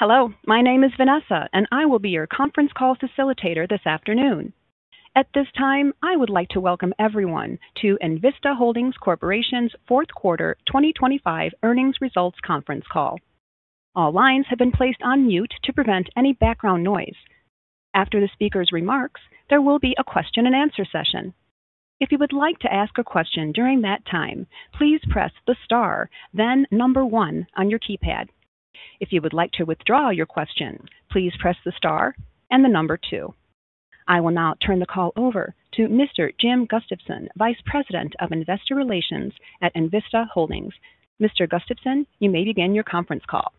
Hello, my name is Vanessa, and I will be your conference call facilitator this afternoon. At this time, I would like to welcome everyone to Envista Holdings Corporation's fourth quarter 2025 earnings results conference call. All lines have been placed on mute to prevent any background noise. After the speaker's remarks, there will be a question and answer session. If you would like to ask a question during that time, please press the star, then 1 on your keypad. If you would like to withdraw your question, please press the star and the 2. I will now turn the call over to Mr. Jim Gustafson, Vice President of Investor Relations at Envista Holdings. Mr. Gustafson, you may begin your conference call.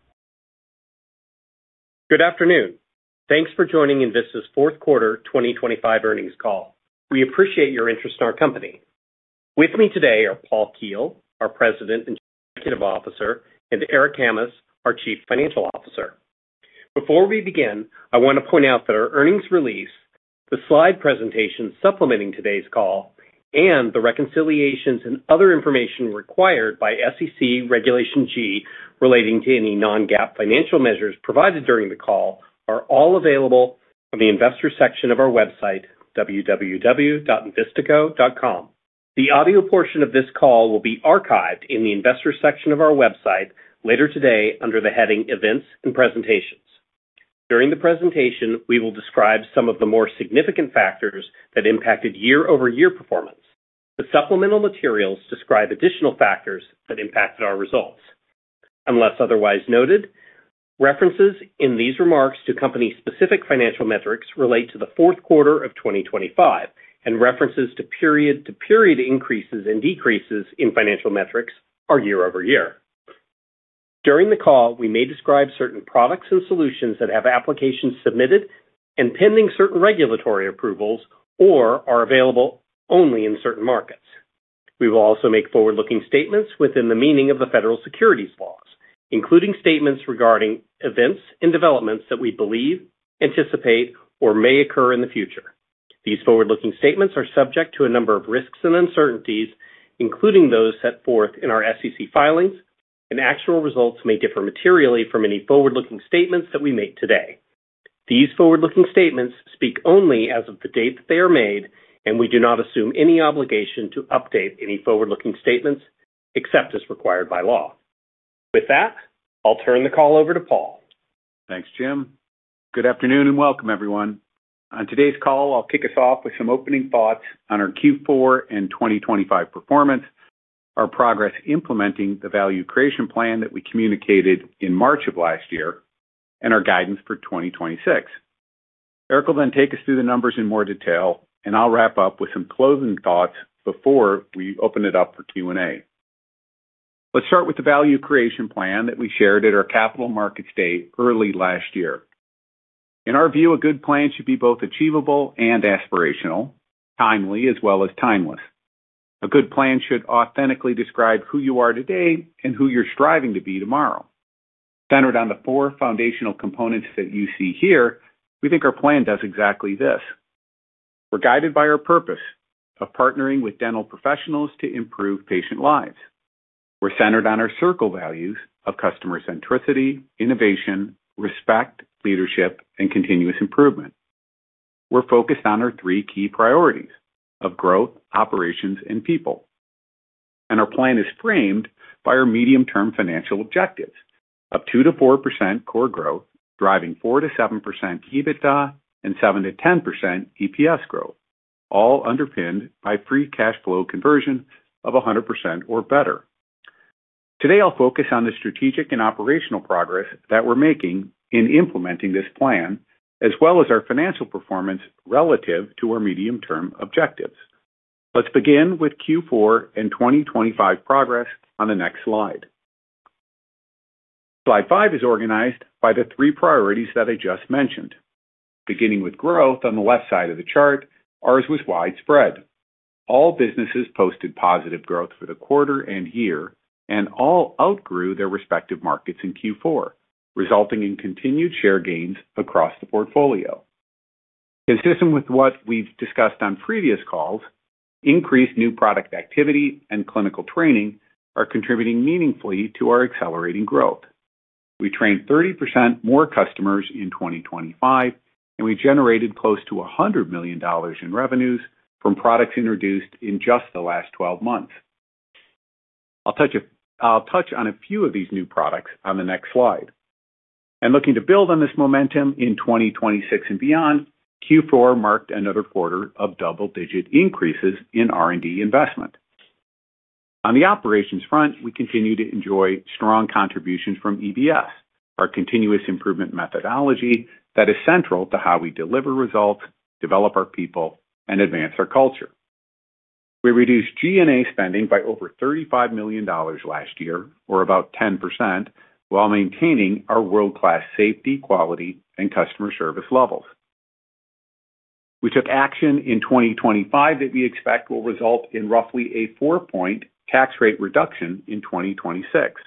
Good afternoon. Thanks for joining Envista's fourth quarter 2025 earnings call. We appreciate your interest in our company. With me today are Paul Keel, our President and Chief Executive Officer, and Eric Hammes, our Chief Financial Officer. Before we begin, I want to point out that our earnings release, the slide presentation supplementing today's call, and the reconciliations and other information required by SEC Regulation G, relating to any non-GAAP financial measures provided during the call, are all available on the investors section of our website, www.envistaco.com. The audio portion of this call will be archived in the investors section of our website later today under the heading Events and Presentations. During the presentation, we will describe some of the more significant factors that impacted year-over-year performance. The supplemental materials describe additional factors that impacted our results. Unless otherwise noted, references in these remarks to company-specific financial metrics relate to the fourth quarter of 2025, and references to period-to-period increases and decreases in financial metrics are year-over-year. During the call, we may describe certain products and solutions that have applications submitted and pending certain regulatory approvals or are available only in certain markets. We will also make forward-looking statements within the meaning of the federal securities laws, including statements regarding events and developments that we believe, anticipate, or may occur in the future. These forward-looking statements are subject to a number of risks and uncertainties, including those set forth in our SEC filings, and actual results may differ materially from any forward-looking statements that we make today. These forward-looking statements speak only as of the date that they are made, and we do not assume any obligation to update any forward-looking statements except as required by law. With that, I'll turn the call over to Paul. Thanks, Jim. Good afternoon, and welcome, everyone. On today's call, I'll kick us off with some opening thoughts on our Q4 and 2025 performance, our progress implementing the Value Creation Plan that we communicated in March of last year, and our guidance for 2026. Eric will then take us through the numbers in more detail, and I'll wrap up with some closing thoughts before we open it up for Q&A. Let's start with the Value Creation Plan that we shared at our Capital Markets Day early last year. In our view, a good plan should be both achievable and aspirational, timely, as well as timeless. A good plan should authentically describe who you are today and who you're striving to be tomorrow. Centered on the 4 foundational components that you see here, we think our plan does exactly this. We're guided by our purpose of partnering with dental professionals to improve patient lives. We're centered on our CIRCLES values of customer centricity, innovation, respect, leadership, and continuous improvement. We're focused on our three key priorities of growth, operations, and people. Our plan is framed by our medium-term financial objectives of 2%-4% core growth, driving 4%-7% EBITDA and 7%-10% EPS growth, all underpinned by free cash flow conversion of 100% or better. Today, I'll focus on the strategic and operational progress that we're making in implementing this plan, as well as our financial performance relative to our medium-term objectives. Let's begin with Q4 and 2025 progress on the next slide. Slide 5 is organized by the three priorities that I just mentioned. Beginning with growth on the left side of the chart, ours was widespread. All businesses posted positive growth for the quarter and year, and all outgrew their respective markets in Q4, resulting in continued share gains across the portfolio. Consistent with what we've discussed on previous calls, increased new product activity and clinical training are contributing meaningfully to our accelerating growth. We trained 30% more customers in 2025, and we generated close to $100 million in revenues from products introduced in just the last 12 months. I'll touch on a few of these new products on the next slide. Looking to build on this momentum in 2026 and beyond, Q4 marked another quarter of double-digit increases in R&D investment. On the operations front, we continue to enjoy strong contributions from EBS, our continuous improvement methodology that is central to how we deliver results, develop our people, and advance our culture. We reduced G&A spending by over $35 million last year, or about 10%, while maintaining our world-class safety, quality, and customer service levels. We took action in 2025 that we expect will result in roughly a 4-point tax rate reduction in 2026.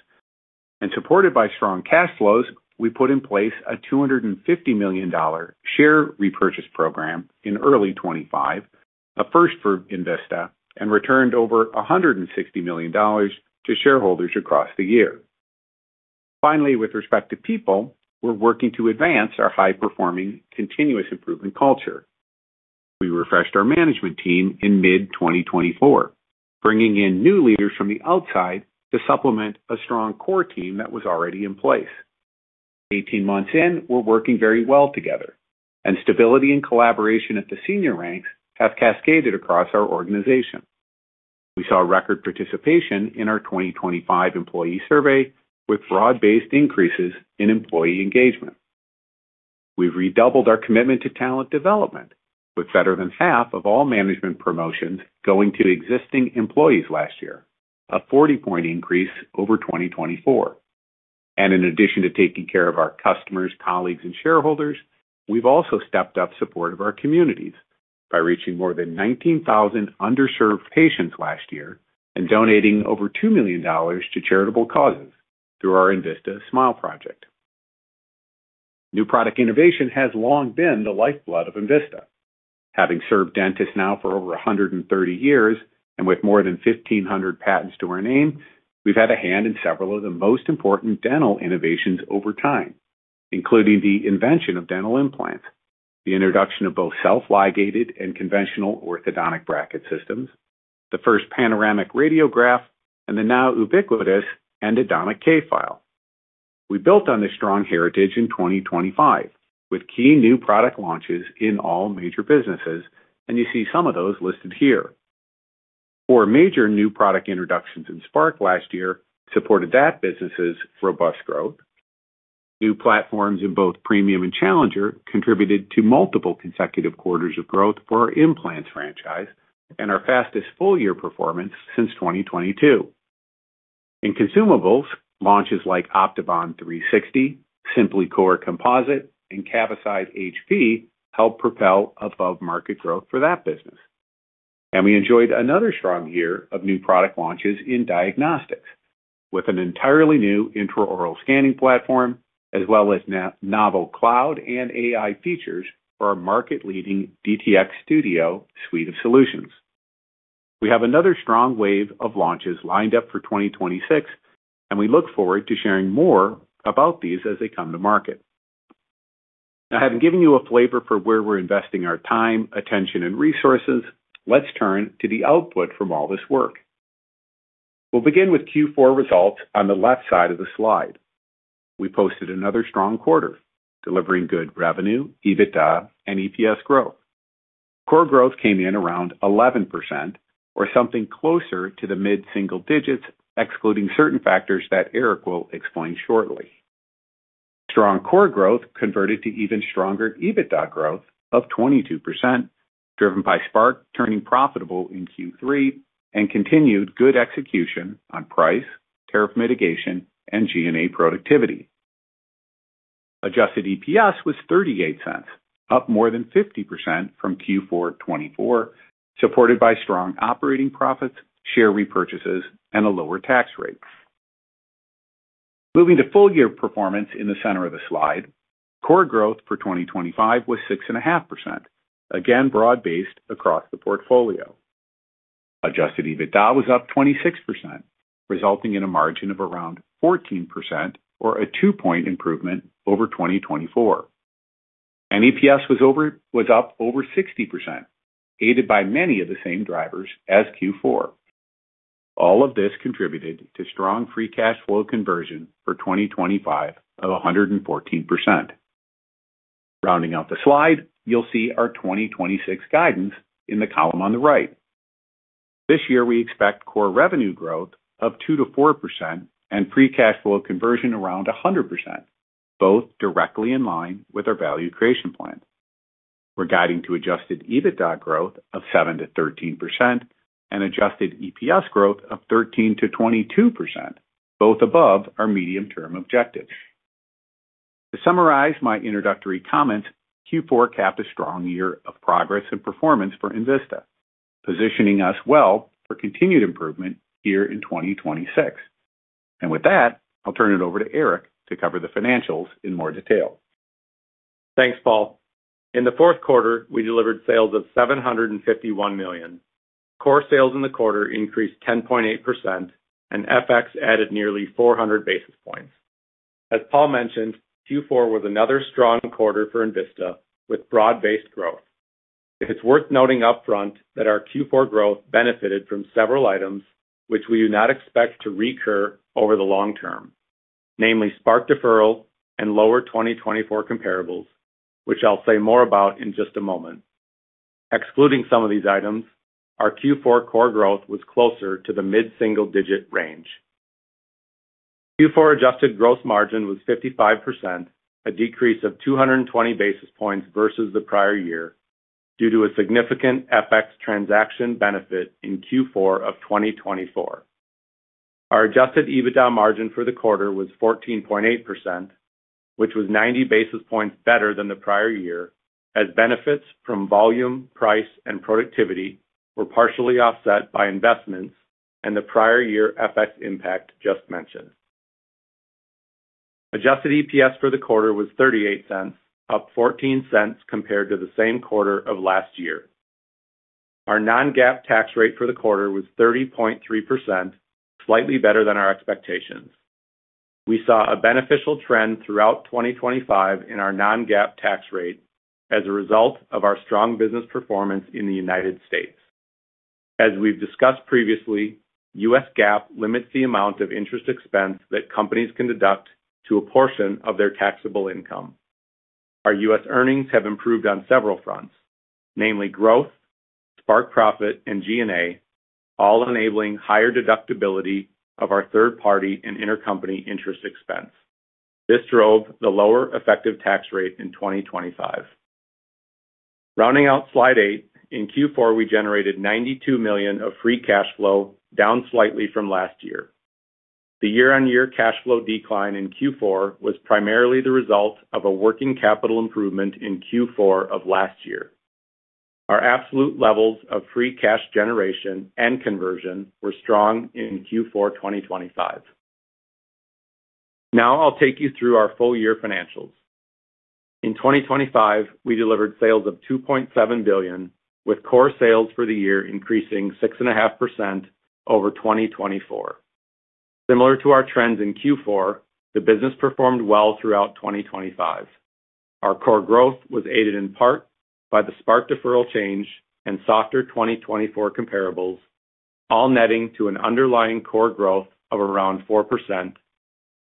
Supported by strong cash flows, we put in place a $250 million share repurchase program in early 2025, a first for Envista, and returned over $160 million to shareholders across the year. Finally, with respect to people, we're working to advance our high-performing, continuous improvement culture. We refreshed our management team in mid 2024, bringing in new leaders from the outside to supplement a strong core team that was already in place. 18 months in, we're working very well together, and stability and collaboration at the senior ranks have cascaded across our organization. We saw record participation in our 2025 employee survey, with broad-based increases in employee engagement. We've redoubled our commitment to talent development, with better than half of all management promotions going to existing employees last year, a 40-point increase over 2024. In addition to taking care of our customers, colleagues, and shareholders, we've also stepped up support of our communities by reaching more than 19,000 underserved patients last year and donating over $2 million to charitable causes through our Envista Smile Project. New product innovation has long been the lifeblood of Envista. Having served dentists now for over 130 years, and with more than 1,500 patents to our name, we've had a hand in several of the most important dental innovations over time, including the invention of dental implants, the introduction of both self-ligated and conventional orthodontic bracket systems, the first panoramic radiograph, and the now ubiquitous endodontic K-file. We built on this strong heritage in 2025, with key new product launches in all major businesses, and you see some of those listed here. Four major new product introductions in Spark last year supported that business's robust growth. New platforms in both premium and challenger contributed to multiple consecutive quarters of growth for our implants franchise and our fastest full-year performance since 2022. In consumables, launches like OptiBond 360, SimpliCore, and CaviCide HP helped propel above-market growth for that business. And we enjoyed another strong year of new product launches in diagnostics, with an entirely new intraoral scanning platform, as well as novel cloud and AI features for our market-leading DTX Studio suite of solutions. We have another strong wave of launches lined up for 2026, and we look forward to sharing more about these as they come to market. Now, having given you a flavor for where we're investing our time, attention, and resources, let's turn to the output from all this work. We'll begin with Q4 results on the left side of the slide. We posted another strong quarter, delivering good revenue, EBITDA, and EPS growth. Core growth came in around 11%, or something closer to the mid-single digits, excluding certain factors that Eric will explain shortly. Strong core growth converted to even stronger EBITDA growth of 22%, driven by Spark turning profitable in Q3 and continued good execution on price, tariff mitigation, and G&A productivity. Adjusted EPS was $0.38, up more than 50% from Q4 2024, supported by strong operating profits, share repurchases, and a lower tax rate. Moving to full year performance in the center of the slide, core growth for 2025 was 6.5%, again, broad-based across the portfolio. Adjusted EBITDA was up 26%, resulting in a margin of around 14% or a 2-point improvement over 2024. EPS was up over 60%, aided by many of the same drivers as Q4. All of this contributed to strong free cash flow conversion for 2025 of 114%. Rounding out the slide, you'll see our 2026 guidance in the column on the right. This year, we expect core revenue growth of 2%-4% and Free Cash Flow conversion around 100%, both directly in line with our value creation plan. We're guiding to Adjusted EBITDA growth of 7%-13% and Adjusted EPS growth of 13%-22%, both above our medium-term objectives. To summarize my introductory comments, Q4 capped a strong year of progress and performance for Envista, positioning us well for continued improvement here in 2026. And with that, I'll turn it over to Eric to cover the financials in more detail. Thanks, Paul. In the fourth quarter, we delivered sales of $751 million. Core sales in the quarter increased 10.8%, and FX added nearly 400 basis points. As Paul mentioned, Q4 was another strong quarter for Envista, with broad-based growth. It is worth noting upfront that our Q4 growth benefited from several items which we do not expect to recur over the long term, namely, Spark deferral and lower 2024 comparables, which I'll say more about in just a moment. Excluding some of these items, our Q4 core growth was closer to the mid-single-digit range. Q4 adjusted gross margin was 55%, a decrease of 220 basis points versus the prior year, due to a significant FX transaction benefit in Q4 of 2024. Our adjusted EBITDA margin for the quarter was 14.8%, which was 90 basis points better than the prior year, as benefits from volume, price, and productivity were partially offset by investments and the prior year FX impact just mentioned. Adjusted EPS for the quarter was $0.38, up $0.14 compared to the same quarter of last year. Our non-GAAP tax rate for the quarter was 30.3%, slightly better than our expectations. We saw a beneficial trend throughout 2025 in our non-GAAP tax rate as a result of our strong business performance in the United States. As we've discussed previously, U.S. GAAP limits the amount of interest expense that companies can deduct to a portion of their taxable income. Our U.S. earnings have improved on several fronts, namely growth, Spark profit, and G&A, all enabling higher deductibility of our third-party and intercompany interest expense. This drove the lower effective tax rate in 2025. Rounding out slide 8, in Q4, we generated $92 million of free cash flow, down slightly from last year. The year-on-year cash flow decline in Q4 was primarily the result of a working capital improvement in Q4 of last year. Our absolute levels of free cash generation and conversion were strong in Q4 2025. Now I'll take you through our full year financials. In 2025, we delivered sales of $2.7 billion, with core sales for the year increasing 6.5% over 2024. Similar to our trends in Q4, the business performed well throughout 2025. Our core growth was aided in part by the Spark deferral change and softer 2024 comparables, all netting to an underlying core growth of around 4%,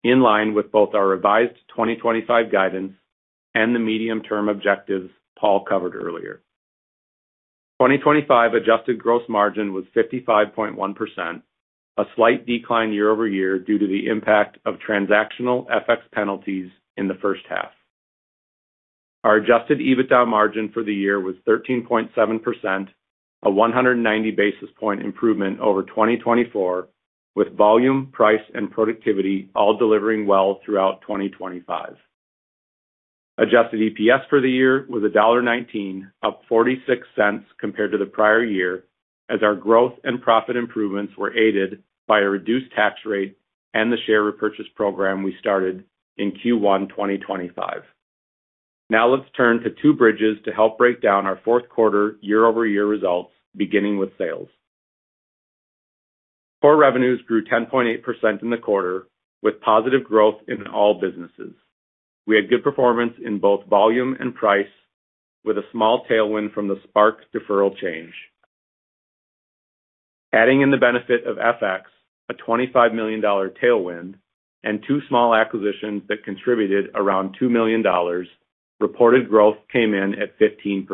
in line with both our revised 2025 guidance and the medium-term objectives Paul covered earlier. 2025 adjusted gross margin was 55.1%, a slight decline year-over-year due to the impact of transactional FX penalties in the first half. Our adjusted EBITDA margin for the year was 13.7%, a 190 basis point improvement over 2024, with volume, price, and productivity all delivering well throughout 2025. Adjusted EPS for the year was $1.19, up 46 cents compared to the prior year, as our growth and profit improvements were aided by a reduced tax rate and the share repurchase program we started in Q1 2025. Now let's turn to two bridges to help break down our fourth quarter year-over-year results, beginning with sales. Core revenues grew 10.8% in the quarter, with positive growth in all businesses. We had good performance in both volume and price, with a small tailwind from the Spark deferral change. Adding in the benefit of FX, a $25 million tailwind, and two small acquisitions that contributed around $2 million, reported growth came in at 15%.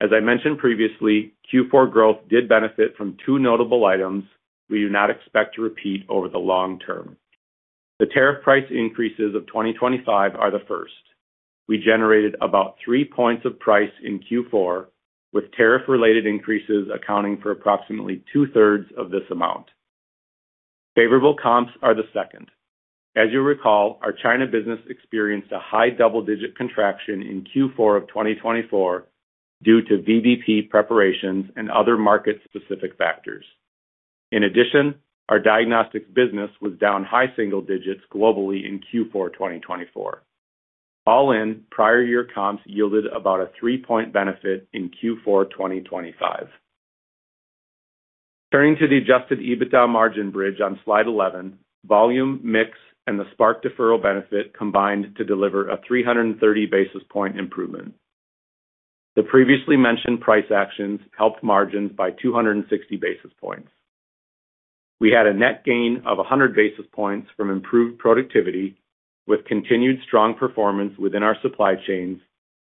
As I mentioned previously, Q4 growth did benefit from two notable items we do not expect to repeat over the long term. The tariff price increases of 2025 are the first. We generated about 3 points of price in Q4, with tariff-related increases accounting for approximately two-thirds of this amount. Favorable comps are the second. As you recall, our China business experienced a high double-digit contraction in Q4 of 2024 due to VBP preparations and other market-specific factors. In addition, our diagnostics business was down high single digits globally in Q4 2024. All in, prior year comps yielded about a 3-point benefit in Q4 2025. Turning to the adjusted EBITDA margin bridge on slide 11, volume, mix, and the Spark deferral benefit combined to deliver a 330 basis point improvement. The previously mentioned price actions helped margins by 260 basis points. We had a net gain of 100 basis points from improved productivity, with continued strong performance within our supply chains,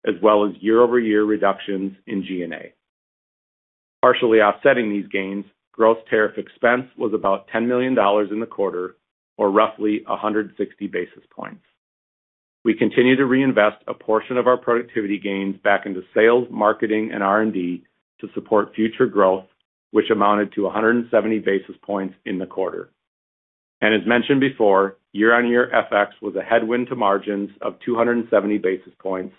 as well as year-over-year reductions in G&A. Partially offsetting these gains, gross tariff expense was about $10 million in the quarter, or roughly 160 basis points. We continue to reinvest a portion of our productivity gains back into sales, marketing, and R&D to support future growth, which amounted to 170 basis points in the quarter. As mentioned before, year-on-year FX was a headwind to margins of 270 basis points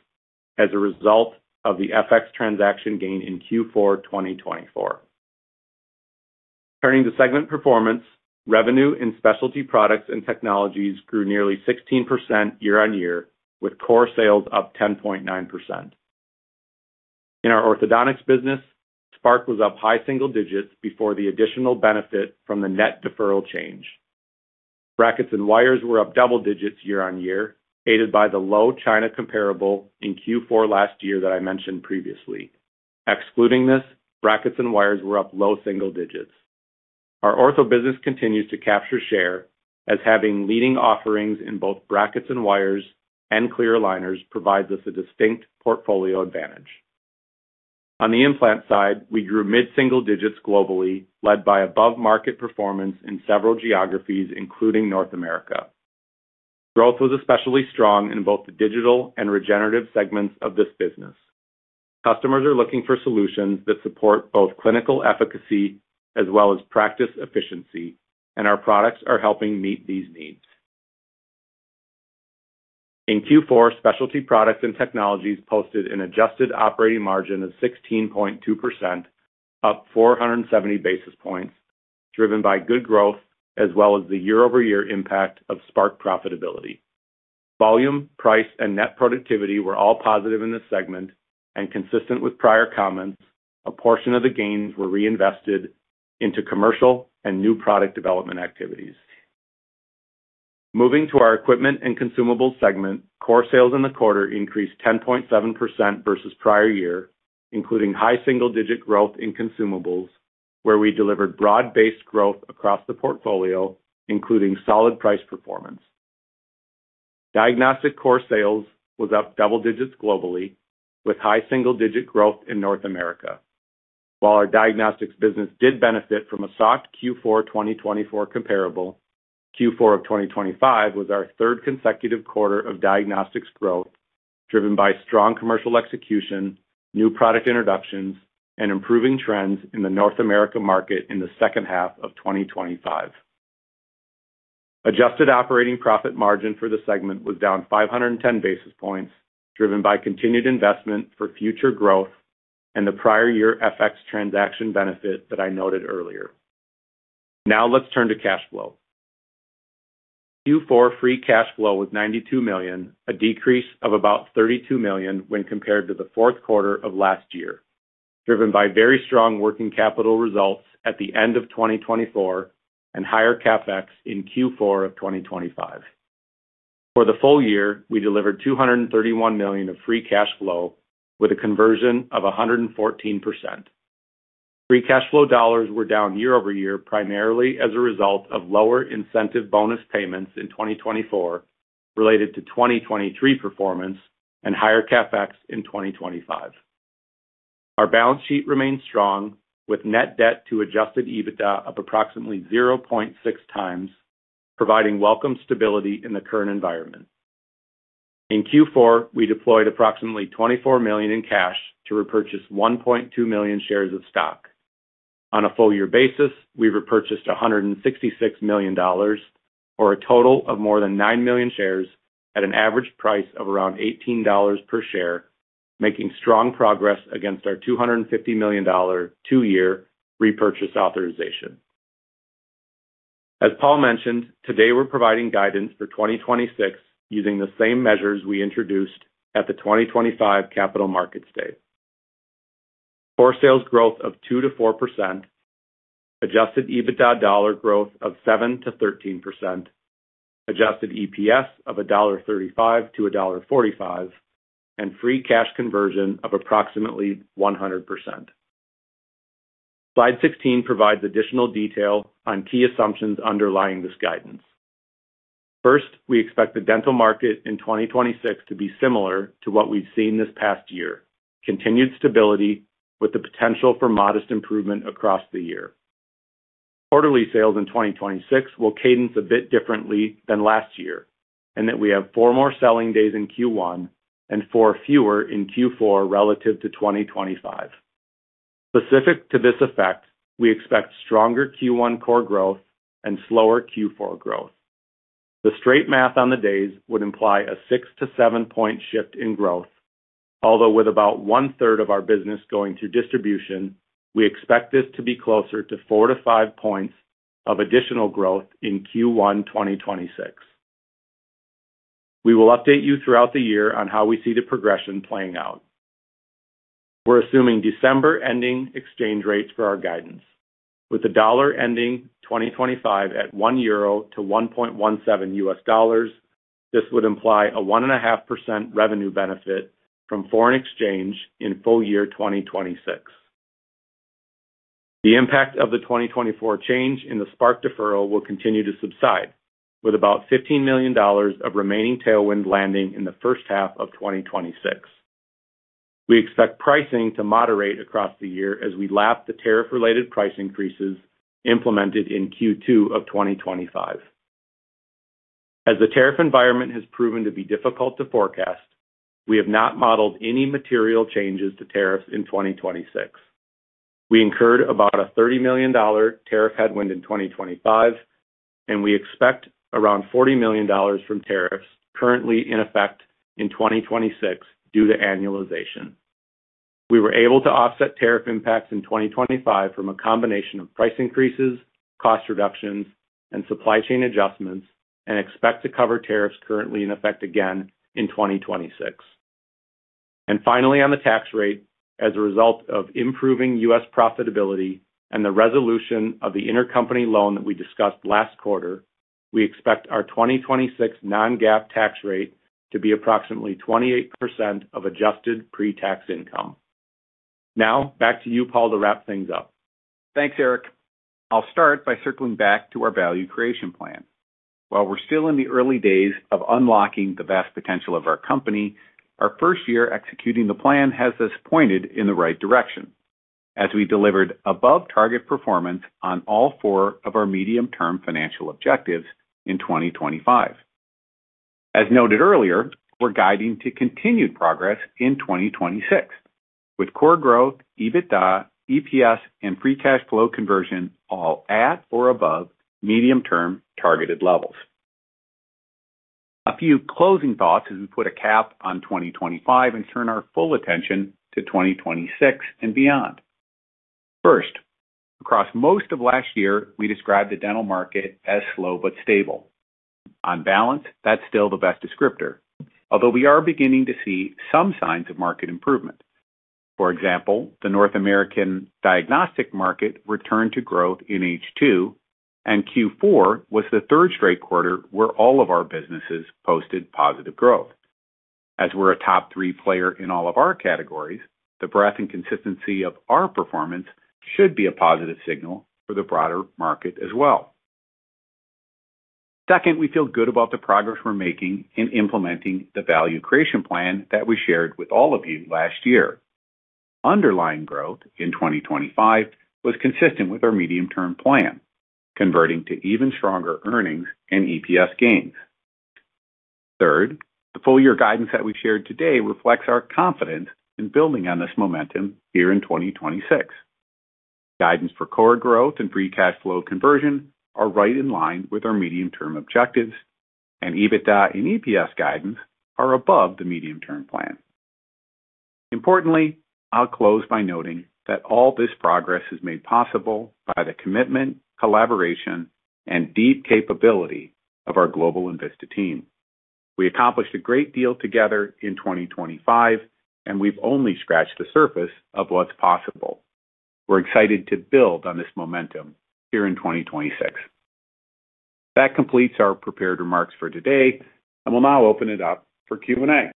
as a result of the FX transaction gain in Q4 2024. Turning to segment performance, revenue in Specialty Products & Technologies grew nearly 16% year-on-year, with core sales up 10.9%. In our orthodontics business, Spark was up high single digits before the additional benefit from the net deferral change. Brackets and wires were up double digits year-on-year, aided by the low China comparable in Q4 last year that I mentioned previously. Excluding this, brackets and wires were up low single digits. Our ortho business continues to capture share as having leading offerings in both brackets and wires, and clear aligners provides us a distinct portfolio advantage. On the implant side, we grew mid-single digits globally, led by above-market performance in several geographies, including North America. Growth was especially strong in both the digital and regenerative segments of this business. Customers are looking for solutions that support both clinical efficacy as well as practice efficiency, and our products are helping meet these needs.... In Q4, Specialty Products & Technologies posted an adjusted operating margin of 16.2%, up 470 basis points, driven by good growth, as well as the year-over-year impact of Spark profitability. Volume, price, and net productivity were all positive in this segment, and consistent with prior comments, a portion of the gains were reinvested into commercial and new product development activities. Moving to our Equipment and Consumables segment, core sales in the quarter increased 10.7% versus prior year, including high single-digit growth in consumables, where we delivered broad-based growth across the portfolio, including solid price performance. Diagnostic core sales was up double digits globally, with high single-digit growth in North America. While our diagnostics business did benefit from a soft Q4 2024 comparable, Q4 of 2025 was our third consecutive quarter of diagnostics growth, driven by strong commercial execution, new product introductions, and improving trends in the North America market in the second half of 2025. Adjusted operating profit margin for the segment was down 510 basis points, driven by continued investment for future growth and the prior year FX transaction benefit that I noted earlier. Now let's turn to cash flow. Q4 free cash flow was $92 million, a decrease of about $32 million when compared to the fourth quarter of last year, driven by very strong working capital results at the end of 2024 and higher CapEx in Q4 of 2025. For the full year, we delivered $231 million of free cash flow with a conversion of 114%. Free cash flow dollars were down year-over-year, primarily as a result of lower incentive bonus payments in 2024, related to 2023 performance and higher CapEx in 2025. Our balance sheet remains strong, with net debt to adjusted EBITDA of approximately 0.6x, providing welcome stability in the current environment. In Q4, we deployed approximately $24 million in cash to repurchase 1.2 million shares of stock. On a full year basis, we repurchased $166 million, or a total of more than 9 million shares at an average price of around $18 per share, making strong progress against our $250 million two-year repurchase authorization. As Paul mentioned, today, we're providing guidance for 2026 using the same measures we introduced at the 2025 capital market stage. Core sales growth of 2%-4%, adjusted EBITDA dollar growth of 7%-13%, adjusted EPS of $1.35-$1.45, and free cash conversion of approximately 100%. Slide 16 provides additional detail on key assumptions underlying this guidance. First, we expect the dental market in 2026 to be similar to what we've seen this past year, continued stability with the potential for modest improvement across the year. Quarterly sales in 2026 will cadence a bit differently than last year, and that we have 4 more selling days in Q1 and 4 fewer in Q4 relative to 2025. Specific to this effect, we expect stronger Q1 core growth and slower Q4 growth. The straight math on the days would imply a 6-7 point shift in growth, although with about one third of our business going to distribution, we expect this to be closer to 4-5 points of additional growth in Q1 2026. We will update you throughout the year on how we see the progression playing out. We're assuming December ending exchange rates for our guidance. With the dollar ending 2025 at 1 euro to 1.17 US dollars, this would imply a 1.5% revenue benefit from foreign exchange in full year 2026. The impact of the 2024 change in the Spark deferral will continue to subside, with about $15 million of remaining tailwind landing in the first half of 2026. We expect pricing to moderate across the year as we lap the tariff-related price increases implemented in Q2 of 2025. As the tariff environment has proven to be difficult to forecast, we have not modeled any material changes to tariffs in 2026. We incurred about a $30 million tariff headwind in 2025, and we expect around $40 million from tariffs currently in effect in 2026 due to annualization. We were able to offset tariff impacts in 2025 from a combination of price increases, cost reductions, and supply chain adjustments, and expect to cover tariffs currently in effect again in 2026. And finally, on the tax rate, as a result of improving U.S. profitability and the resolution of the intercompany loan that we discussed last quarter, we expect our 2026 non-GAAP tax rate to be approximately 28% of adjusted pre-tax income. Now, back to you, Paul, to wrap things up. Thanks, Eric. I'll start by circling back to our value creation plan. While we're still in the early days of unlocking the vast potential of our company, our first year executing the plan has us pointed in the right direction as we delivered above target performance on all four of our medium-term financial objectives in 2025. As noted earlier, we're guiding to continued progress in 2026... with core growth, EBITDA, EPS, and free cash flow conversion all at or above medium-term targeted levels. A few closing thoughts as we put a cap on 2025 and turn our full attention to 2026 and beyond. First, across most of last year, we described the dental market as slow but stable. On balance, that's still the best descriptor, although we are beginning to see some signs of market improvement. For example, the North American diagnostic market returned to growth in H2, and Q4 was the third straight quarter where all of our businesses posted positive growth. As we're a top three player in all of our categories, the breadth and consistency of our performance should be a positive signal for the broader market as well. Second, we feel good about the progress we're making in implementing the value creation plan that we shared with all of you last year. Underlying growth in 2025 was consistent with our medium-term plan, converting to even stronger earnings and EPS gains. Third, the full year guidance that we've shared today reflects our confidence in building on this momentum here in 2026. Guidance for core growth and free cash flow conversion are right in line with our medium-term objectives, and EBITDA and EPS guidance are above the medium-term plan. Importantly, I'll close by noting that all this progress is made possible by the commitment, collaboration, and deep capability of our global Envista team. We accomplished a great deal together in 2025, and we've only scratched the surface of what's possible. We're excited to build on this momentum here in 2026. That completes our prepared remarks for today, and we'll now open it up for Q&A.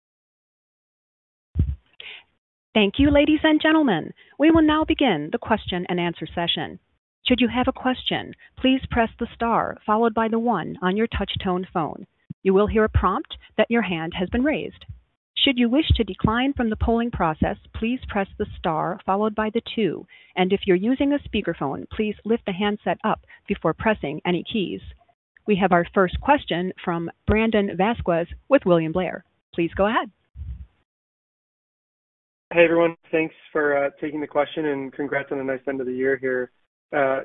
Thank you, ladies and gentlemen. We will now begin the question-and-answer session. Should you have a question, please press the star followed by the one on your touch tone phone. You will hear a prompt that your hand has been raised. Should you wish to decline from the polling process, please press the star followed by the two, and if you're using a speakerphone, please lift the handset up before pressing any keys. We have our first question from Brandon Vazquez with William Blair. Please go ahead. Hey, everyone. Thanks for taking the question and congrats on a nice end of the year here.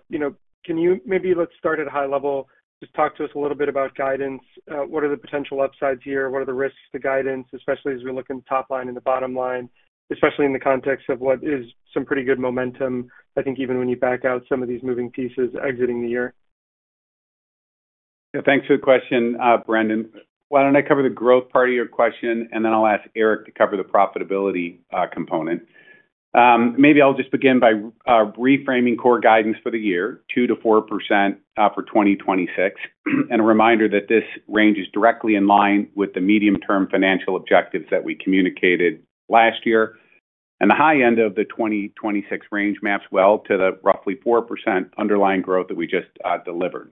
You know, can you maybe let's start at a high level, just talk to us a little bit about guidance. What are the potential upsides here? What are the risks to guidance, especially as we look in the top line and the bottom line, especially in the context of what is some pretty good momentum, I think even when you back out some of these moving pieces exiting the year? Yeah, thanks for the question, Brandon. Why don't I cover the growth part of your question, and then I'll ask Eric to cover the profitability, component. Maybe I'll just begin by, reframing core guidance for the year, 2%-4%, for 2026. And a reminder that this range is directly in line with the medium-term financial objectives that we communicated last year. And the high end of the 2026 range maps well to the roughly 4% underlying growth that we just, delivered.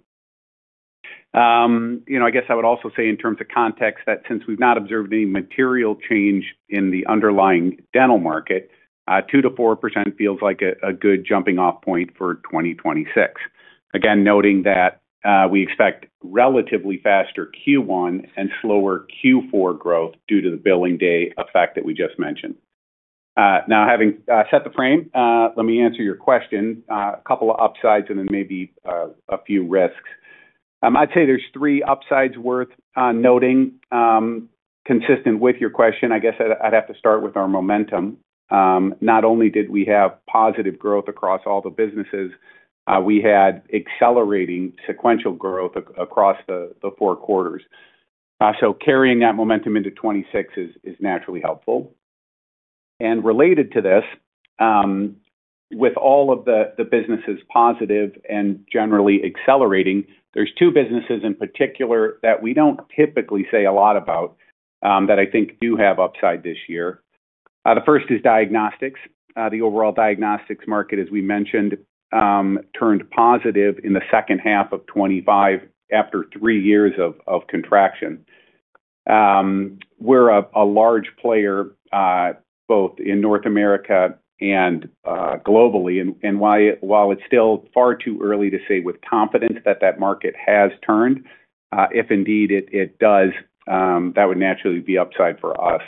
You know, I guess I would also say in terms of context, that since we've not observed any material change in the underlying dental market, 2%-4% feels like a, a good jumping off point for 2026. Again, noting that, we expect relatively faster Q1 and slower Q4 growth due to the billing day effect that we just mentioned. Now, having set the frame, let me answer your question. A couple of upsides and then maybe a few risks. I'd say there's three upsides worth noting. Consistent with your question, I guess I'd, I'd have to start with our momentum. Not only did we have positive growth across all the businesses, we had accelerating sequential growth across the four quarters. So carrying that momentum into 2026 is, is naturally helpful. And related to this, with all of the businesses positive and generally accelerating, there's two businesses in particular that we don't typically say a lot about that I think do have upside this year. The first is diagnostics. The overall diagnostics market, as we mentioned, turned positive in the second half of 2025 after three years of contraction. We're a large player both in North America and globally, and while it's still far too early to say with confidence that that market has turned, if indeed it does, that would naturally be upside for us.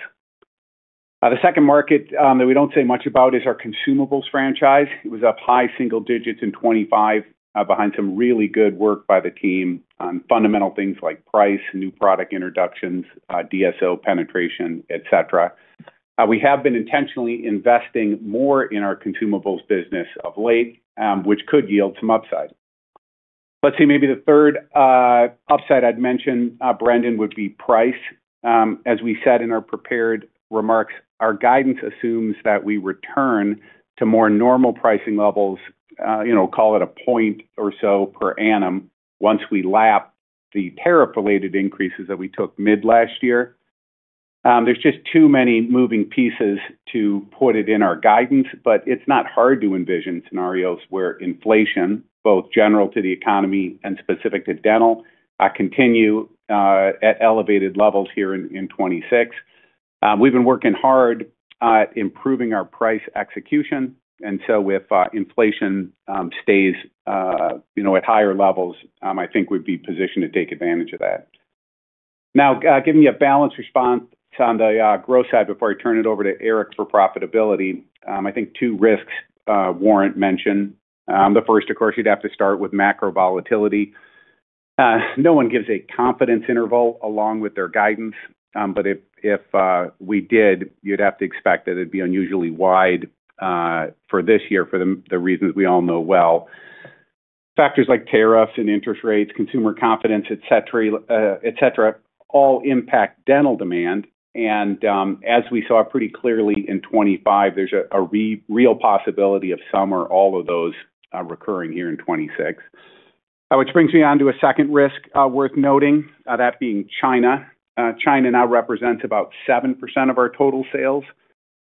The second market that we don't say much about is our consumables franchise. It was up high single digits in 2025, behind some really good work by the team on fundamental things like price, new product introductions, DSO penetration, et cetera. We have been intentionally investing more in our consumables business of late, which could yield some upside. Let's see, maybe the third upside I'd mention, Brandon, would be price. As we said in our prepared remarks, our guidance assumes that we return to more normal pricing levels, you know, call it a point or so per annum once we lap the tariff-related increases that we took mid last year. There's just too many moving pieces to put it in our guidance, but it's not hard to envision scenarios where inflation, both general to the economy and specific to dental, continue at elevated levels here in 2026. We've been working hard at improving our price execution, and so if inflation stays, you know, at higher levels, I think we'd be positioned to take advantage of that. Now, giving you a balanced response on the growth side before I turn it over to Eric for profitability. I think two risks warrant mention. The first, of course, you'd have to start with macro volatility. No one gives a confidence interval along with their guidance, but if, if, we did, you'd have to expect that it'd be unusually wide, for this year for the, the reasons we all know well. Factors like tariffs and interest rates, consumer confidence, et cetera, et cetera, all impact dental demand. As we saw pretty clearly in 2025, there's a, a real possibility of some or all of those, recurring here in 2026. Which brings me on to a second risk, worth noting, that being China. China now represents about 7% of our total sales.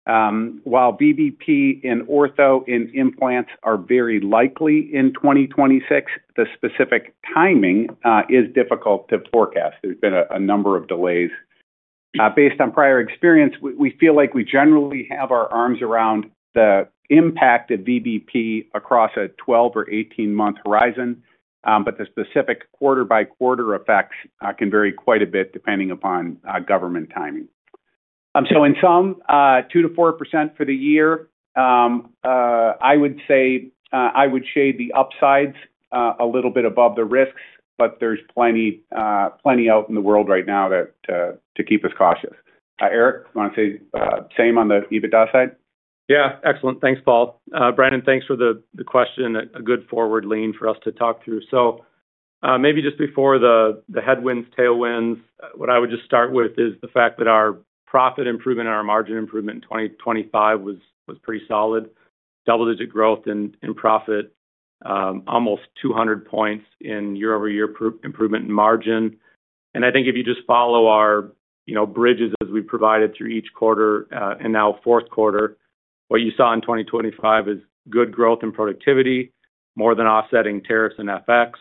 While VBP and ortho and implants are very likely in 2026, the specific timing, is difficult to forecast. There's been a, a number of delays. Based on prior experience, we feel like we generally have our arms around the impact of VBP across a 12- or 18-month horizon, but the specific quarter-by-quarter effects can vary quite a bit depending upon government timing. So in sum, 2%-4% for the year. I would say, I would shade the upsides a little bit above the risks, but there's plenty, plenty out in the world right now to keep us cautious. Eric, you want to say same on the EBITDA side? Yeah, excellent. Thanks, Paul. Brandon, thanks for the question. A good forward lean for us to talk through. So, maybe just before the headwinds, tailwinds, what I would just start with is the fact that our profit improvement and our margin improvement in 2025 was pretty solid. Double-digit growth in profit, almost 200 points in year-over-year improvement in margin. And I think if you just follow our, you know, bridges as we provided through each quarter, and now fourth quarter, what you saw in 2025 is good growth in productivity, more than offsetting tariffs and FX,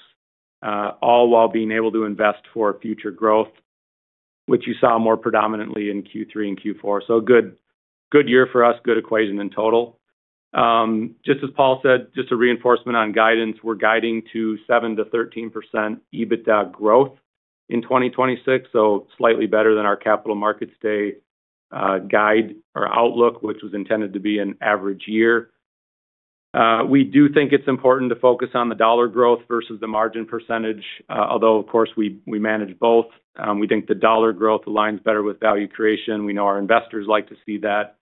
all while being able to invest for future growth, which you saw more predominantly in Q3 and Q4. So good, good year for us, good equation in total. Just as Paul said, just a reinforcement on guidance, we're guiding to 7%-13% EBITDA growth in 2026, so slightly better than our capital markets day guide or outlook, which was intended to be an average year. We do think it's important to focus on the dollar growth versus the margin percentage, although, of course, we manage both. We think the dollar growth aligns better with value creation. We know our investors like to see that,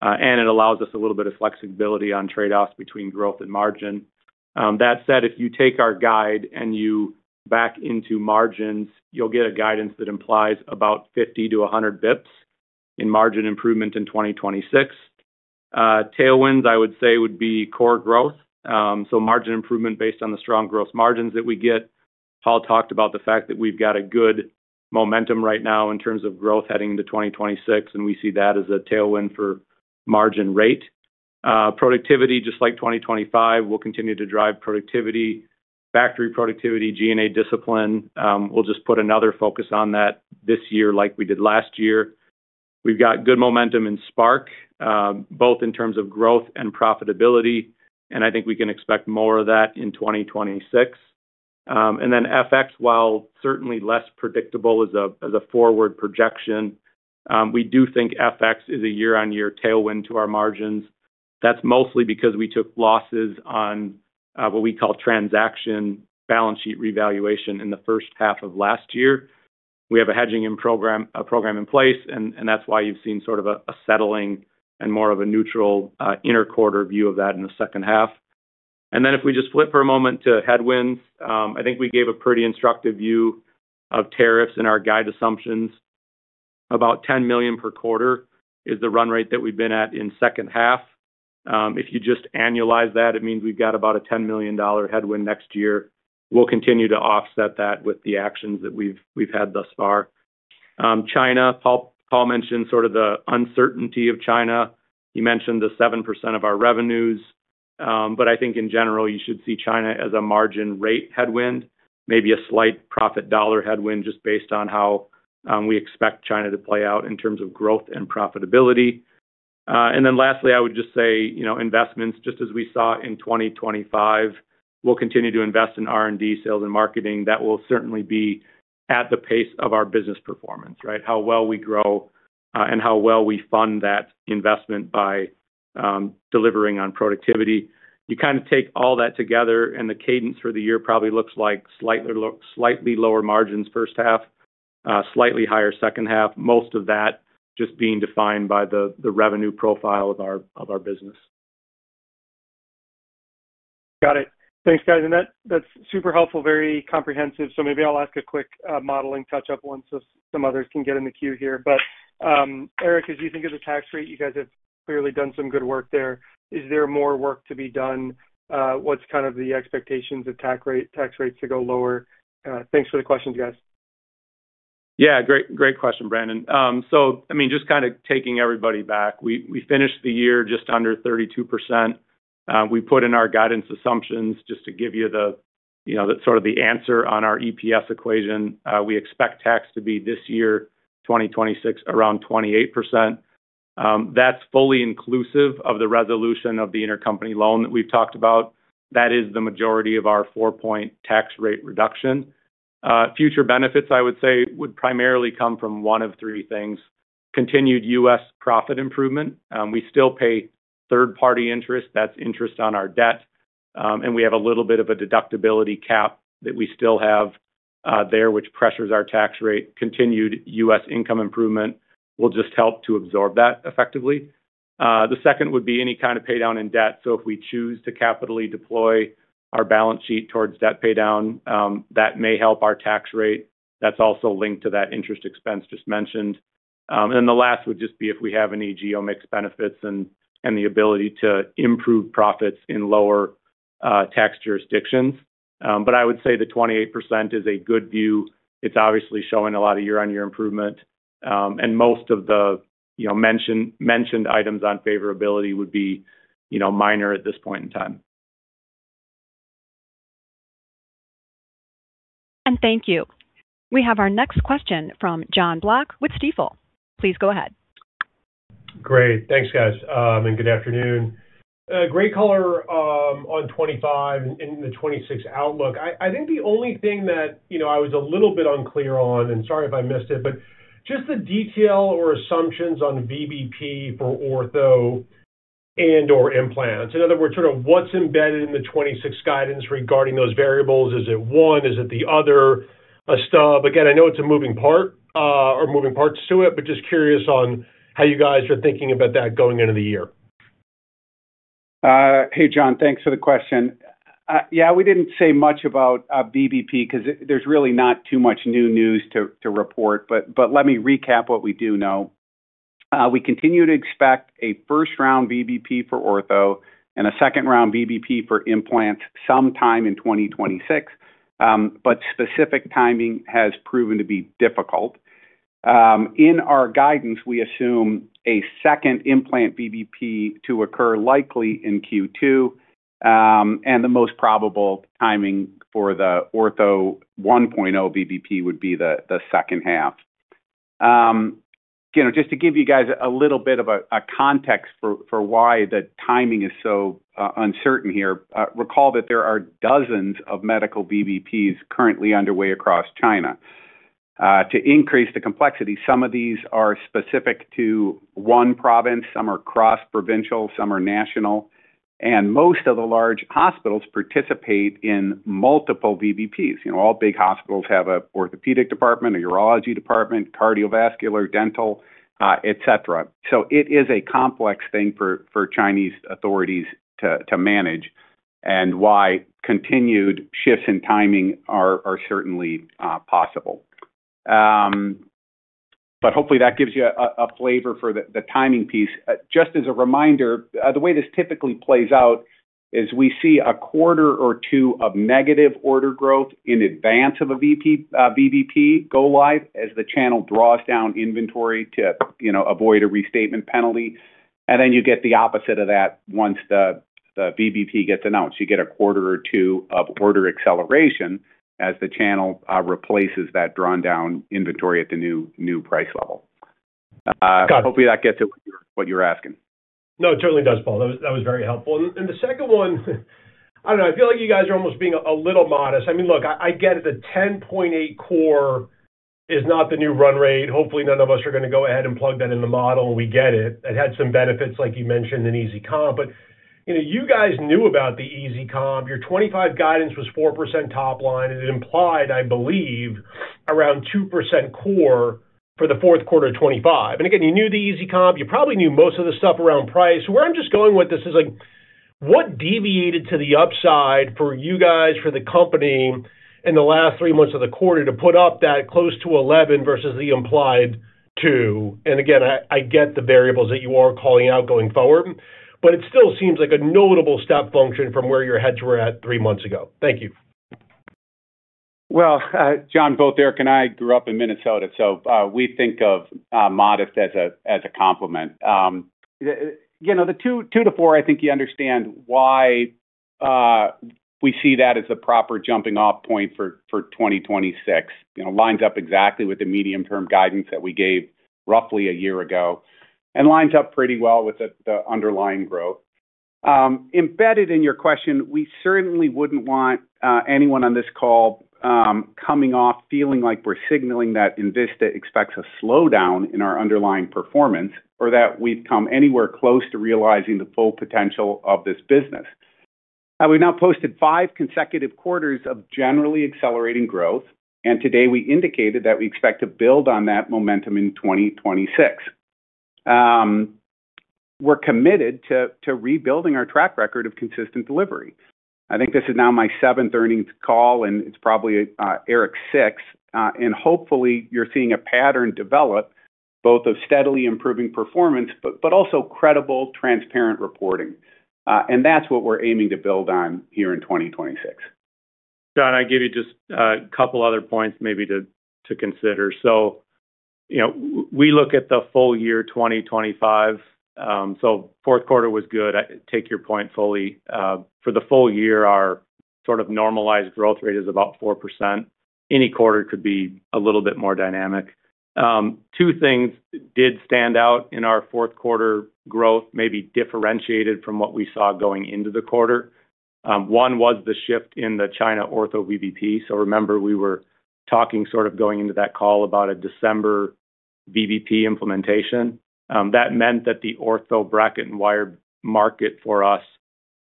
and it allows us a little bit of flexibility on trade-offs between growth and margin. That said, if you take our guide and you back into margins, you'll get a guidance that implies about 50-100 basis points in margin improvement in 2026. Tailwinds, I would say, would be core growth. So margin improvement based on the strong growth margins that we get. Paul talked about the fact that we've got a good momentum right now in terms of growth heading into 2026, and we see that as a tailwind for margin rate. Productivity, just like 2025, we'll continue to drive productivity, factory productivity, G&A discipline. We'll just put another focus on that this year, like we did last year. We've got good momentum in Spark, both in terms of growth and profitability, and I think we can expect more of that in 2026. And then FX, while certainly less predictable as a, as a forward projection, we do think FX is a year-on-year tailwind to our margins. That's mostly because we took losses on, what we call transaction balance sheet revaluation in the first half of last year. We have a hedging program in place, and that's why you've seen sort of a settling and more of a neutral interquarter view of that in the second half. Then if we just flip for a moment to headwinds, I think we gave a pretty instructive view of tariffs and our guide assumptions. About $10 million per quarter is the run rate that we've been at in second half. If you just annualize that, it means we've got about a $10 million headwind next year. We'll continue to offset that with the actions that we've had thus far. China, Paul, Paul mentioned sort of the uncertainty of China. He mentioned the 7% of our revenues, but I think in general, you should see China as a margin rate headwind, maybe a slight profit dollar headwind, just based on how we expect China to play out in terms of growth and profitability. And then lastly, I would just say, you know, investments, just as we saw in 2025, we'll continue to invest in R&D, sales and marketing. That will certainly be at the pace of our business performance, right? How well we grow, and how well we fund that investment by delivering on productivity. You kind of take all that together, and the cadence for the year probably looks like slightly lower margins first half, slightly higher second half. Most of that just being defined by the revenue profile of our business. Got it. Thanks, guys, and that, that's super helpful, very comprehensive. So maybe I'll ask a quick modeling touch-up once some others can get in the queue here. But, Eric, as you think of the tax rate, you guys have clearly done some good work there. Is there more work to be done? What's kind of the expectations of tax rate, tax rates to go lower? Thanks for the questions, guys. Yeah, great, great question, Brandon. So, I mean, just kind of taking everybody back, we finished the year just under 32%. We put in our guidance assumptions just to give you the, you know, the sort of the answer on our EPS equation. We expect tax to be this year, 2026, around 28%.... That's fully inclusive of the resolution of the intercompany loan that we've talked about. That is the majority of our 4-point tax rate reduction. Future benefits, I would say, would primarily come from one of three things: continued U.S. profit improvement. We still pay third-party interest, that's interest on our debt, and we have a little bit of a deductibility cap that we still have, there, which pressures our tax rate. Continued U.S. income improvement will just help to absorb that effectively. The second would be any kind of pay down in debt. So if we choose to capitally deploy our balance sheet towards debt pay down, that may help our tax rate. That's also linked to that interest expense just mentioned. And then the last would just be if we have any geo mix benefits and the ability to improve profits in lower tax jurisdictions. But I would say the 28% is a good view. It's obviously showing a lot of year-on-year improvement, and most of the, you know, mentioned items on favorability would be, you know, minor at this point in time. Thank you. We have our next question from Jonathan Block with Stifel. Please go ahead. Great. Thanks, guys, and good afternoon. Great color on 25 and the 26 outlook. I think the only thing that, you know, I was a little bit unclear on, and sorry if I missed it, but just the detail or assumptions on VBP for ortho and/or implants. In other words, sort of what's embedded in the 26 guidance regarding those variables. Is it one? Is it the other? Stub. Again, I know it's a moving part or moving parts to it, but just curious on how you guys are thinking about that going into the year. Hey, John. Thanks for the question. Yeah, we didn't say much about VBP because there's really not too much new news to report. But let me recap what we do know. We continue to expect a first-round VBP for ortho and a second-round VBP for implants sometime in 2026, but specific timing has proven to be difficult. In our guidance, we assume a second implant VBP to occur likely in Q2, and the most probable timing for the ortho 1.0 VBP would be the second half. You know, just to give you guys a little bit of a context for why the timing is so uncertain here. Recall that there are dozens of medical VBPs currently underway across China. To increase the complexity, some of these are specific to one province, some are cross-provincial, some are national, and most of the large hospitals participate in multiple VBPs. You know, all big hospitals have an orthopedic department, a urology department, cardiovascular, dental, et cetera. So it is a complex thing for, for Chinese authorities to, to manage, and why continued shifts in timing are, are certainly possible. But hopefully that gives you a, a flavor for the, the timing piece. Just as a reminder, the way this typically plays out is we see a quarter or two of negative order growth in advance of a VBP go live as the channel draws down inventory to, you know, avoid a restatement penalty. And then you get the opposite of that once the, the VBP gets announced. You get a quarter or two of order acceleration as the channel replaces that drawn down inventory at the new, new price level. Got it. Hopefully that gets at what you were asking. No, it totally does, Paul. That was very helpful. And the second one, I don't know, I feel like you guys are almost being a little modest. I mean, look, I get it, the 10.8 core is not the new run rate. Hopefully, none of us are gonna go ahead and plug that in the model, and we get it. It had some benefits, like you mentioned, in Easy Comp. But, you know, you guys knew about the Easy Comp. Your 2025 guidance was 4% top line, and it implied, I believe, around 2% core for the fourth quarter of 2025. And again, you knew the Easy Comp. You probably knew most of the stuff around price. Where I'm just going with this is, like, what deviated to the upside for you guys, for the company in the last three months of the quarter to put up that close to 11 versus the implied 2? And again, I, I get the variables that you are calling out going forward, but it still seems like a notable step function from where your heads were at three months ago. Thank you. Well, John, both Eric and I grew up in Minnesota, so we think of modest as a compliment. You know, the 2-4, I think you understand why we see that as a proper jumping-off point for 2026. You know, lines up exactly with the medium-term guidance that we gave roughly a year ago and lines up pretty well with the underlying growth. Embedded in your question, we certainly wouldn't want anyone on this call coming off feeling like we're signaling that Envista expects a slowdown in our underlying performance or that we've come anywhere close to realizing the full potential of this business. And we've now posted 5 consecutive quarters of generally accelerating growth, and today we indicated that we expect to build on that momentum in 2026. We're committed to rebuilding our track record of consistent delivery. I think this is now my seventh earnings call, and it's probably Eric's sixth. And hopefully, you're seeing a pattern develop both of steadily improving performance, but also credible, transparent reporting. And that's what we're aiming to build on here in 2026. John, I'll give you just a couple other points maybe to consider. So, you know, we look at the full year 2025, so fourth quarter was good. I take your point fully. For the full year, our...... sort of normalized growth rate is about 4%. Any quarter could be a little bit more dynamic. Two things did stand out in our fourth quarter growth, maybe differentiated from what we saw going into the quarter. One was the shift in the China ortho VBP. So remember, we were talking sort of going into that call about a December VBP implementation. That meant that the ortho bracket and wire market for us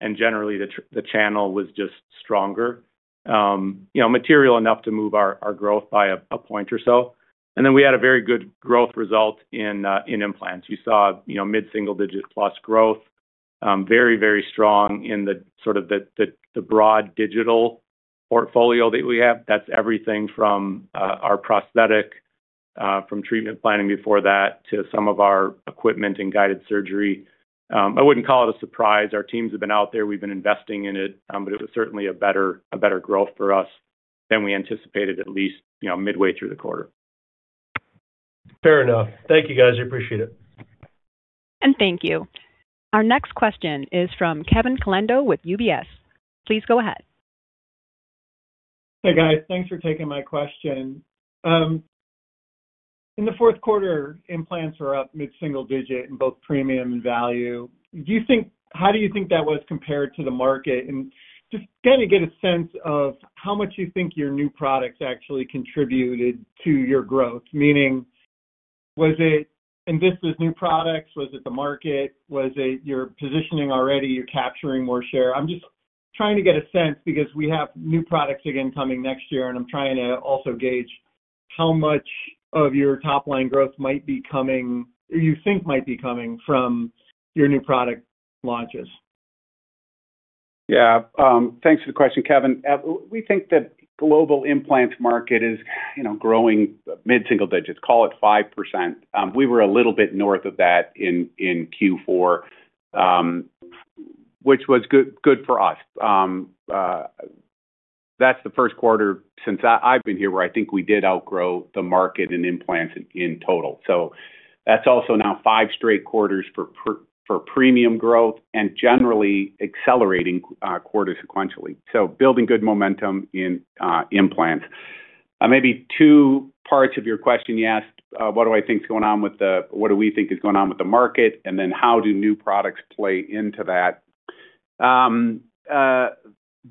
and generally the channel was just stronger, you know, material enough to move our growth by a point or so. And then we had a very good growth result in implants. You saw, you know, mid-single digit plus growth, very, very strong in the sort of the broad digital portfolio that we have. That's everything from our prosthetic, from treatment planning before that to some of our equipment and guided surgery. I wouldn't call it a surprise. Our teams have been out there, we've been investing in it, but it was certainly a better, a better growth for us than we anticipated, at least, you know, midway through the quarter. Fair enough. Thank you, guys. I appreciate it. And thank you. Our next question is from Kevin Caliendo with UBS. Please go ahead. Hey, guys. Thanks for taking my question. In the fourth quarter, implants were up mid-single digit in both premium and value. Do you think how do you think that was compared to the market? And just kind of get a sense of how much you think your new products actually contributed to your growth. Meaning, was it Envista's new products? Was it the market? Was it your positioning already, you're capturing more share? I'm just trying to get a sense, because we have new products again coming next year, and I'm trying to also gauge how much of your top line growth might be coming, or you think might be coming from your new product launches. Yeah, thanks for the question, Kevin. We think that global implant market is, you know, growing mid-single digits, call it 5%. We were a little bit north of that in Q4, which was good, good for us. That's the first quarter since I've been here, where I think we did outgrow the market in implants in total. So that's also now five straight quarters for premium growth and generally accelerating quarter sequentially. So building good momentum in implants. Maybe two parts of your question, you asked what do I think is going on with the what do we think is going on with the market, and then how do new products play into that?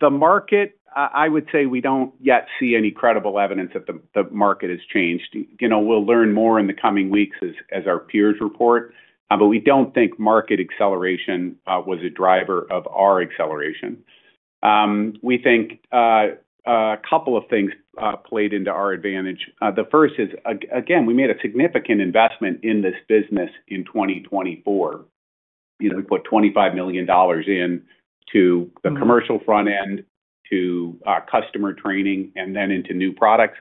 The market, I would say we don't yet see any credible evidence that the market has changed. You know, we'll learn more in the coming weeks as our peers report, but we don't think market acceleration was a driver of our acceleration. We think a couple of things played into our advantage. The first is, again, we made a significant investment in this business in 2024. You know, we put $25 million into the commercial front end, to our customer training, and then into new products.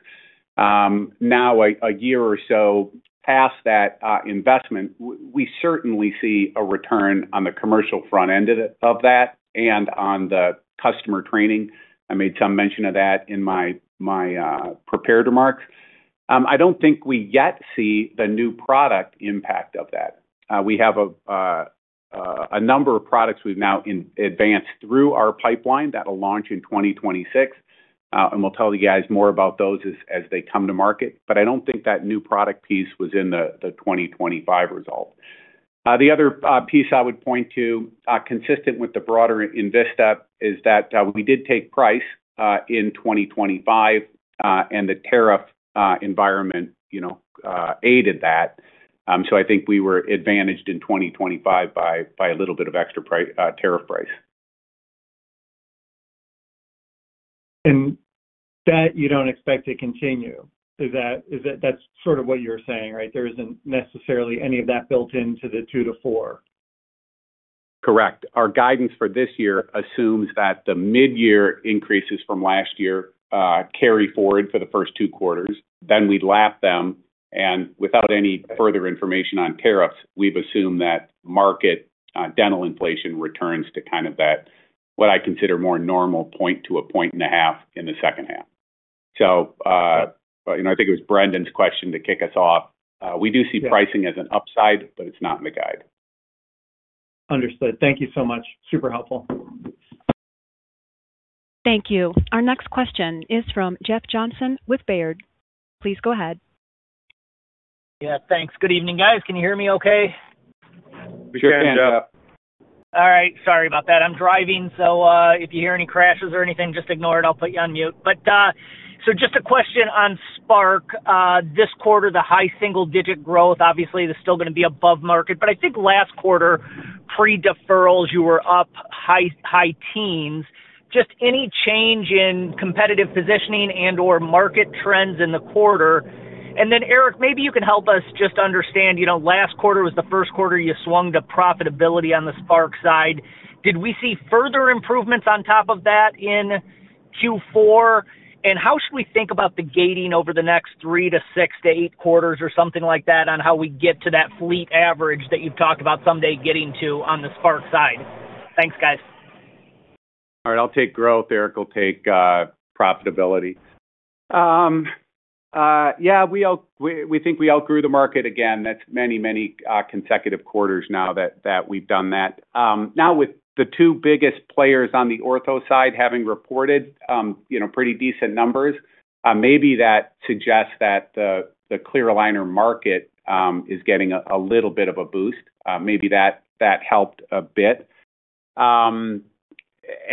Now, a year or so past that investment, we certainly see a return on the commercial front end of it, of that and on the customer training. I made some mention of that in my prepared remarks. I don't think we yet see the new product impact of that. We have a number of products we've now advanced through our pipeline that will launch in 2026, and we'll tell you guys more about those as they come to market, but I don't think that new product piece was in the 2025 result. The other piece I would point to, consistent with the broader Envista, is that we did take price in 2025, and the tariff environment, you know, aided that. So I think we were advantaged in 2025 by a little bit of extra pri-- tariff price. That you don't expect to continue. Is that, is it, that's sort of what you're saying, right? There isn't necessarily any of that built into the 2-4. Correct. Our guidance for this year assumes that the mid-year increases from last year carry forward for the first two quarters, then we lap them, and without any further information on tariffs, we've assumed that market dental inflation returns to kind of that, what I consider more normal 0.2%-1.5% in the second half. So, you know, I think it was Brandon's question to kick us off. We do see pricing as an upside, but it's not in the guide. Understood. Thank you so much. Super helpful. Thank you. Our next question is from Jeff Johnson with Baird. Please go ahead. Yeah, thanks. Good evening, guys. Can you hear me okay? We can. All right. Sorry about that. I'm driving, so if you hear any crashes or anything, just ignore it. I'll put you on mute. But so just a question on Spark. This quarter, the high single digit growth, obviously, is still gonna be above market, but I think last quarter, pre-deferrals, you were up high teens. Just any change in competitive positioning and/or market trends in the quarter? And then, Eric, maybe you can help us just understand, you know, last quarter was the first quarter you swung to profitability on the Spark side. Did we see further improvements on top of that in Q4? And how should we think about the gating over the next 3 to 6 to 8 quarters or something like that, on how we get to that fleet average that you've talked about someday getting to on the Spark side? Thanks, guys. All right, I'll take growth. Eric will take profitability. Yeah, we think we outgrew the market again. That's many, many consecutive quarters now that we've done that. Now, with the two biggest players on the ortho side having reported, you know, pretty decent numbers, maybe that suggests that the clear aligner market is getting a little bit of a boost. Maybe that helped a bit.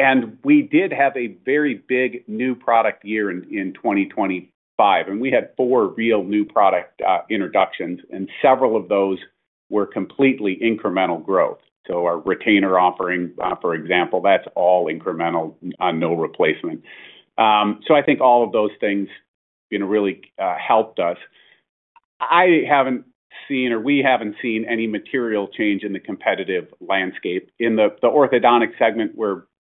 And we did have a very big new product year in 2025, and we had four real new product introductions, and several of those were completely incremental growth. So our retainer offering, for example, that's all incremental on no replacement. So I think all of those things, you know, really helped us. I haven't seen, or we haven't seen any material change in the competitive landscape. In the orthodontic segment,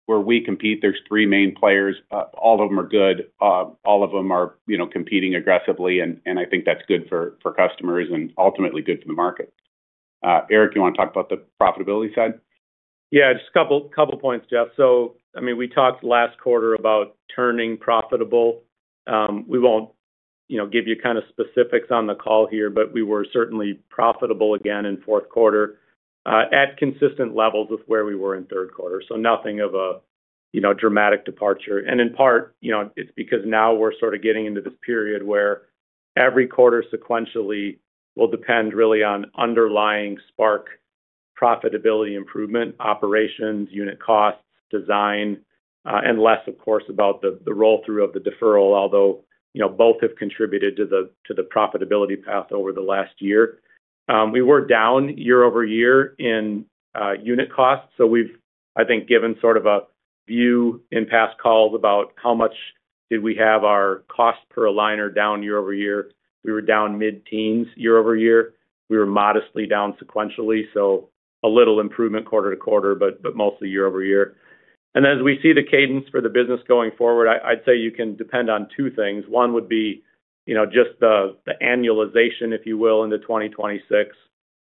where we compete, there's three main players. All of them are good. All of them are, you know, competing aggressively, and I think that's good for customers and ultimately good for the market. Eric, you want to talk about the profitability side? Yeah, just a couple points, Jeff. So, I mean, we talked last quarter about turning profitable. We won't, you know, give you kind of specifics on the call here, but we were certainly profitable again in fourth quarter, at consistent levels with where we were in third quarter. So nothing of a, you know, dramatic departure. And in part, you know, it's because now we're sort of getting into this period where every quarter sequentially will depend really on underlying Spark profitability, improvement, operations, unit costs, design, and less, of course, about the roll-through of the deferral. Although, you know, both have contributed to the profitability path over the last year. We were down year over year in unit costs, so we've, I think, given sort of a view in past calls about how much did we have our cost per aligner down year over year. We were down mid-teens year over year. We were modestly down sequentially, so a little improvement quarter to quarter, but, but mostly year over year. And as we see the cadence for the business going forward, I'd say you can depend on two things. One would be, you know, just the annualization, if you will, into 2026,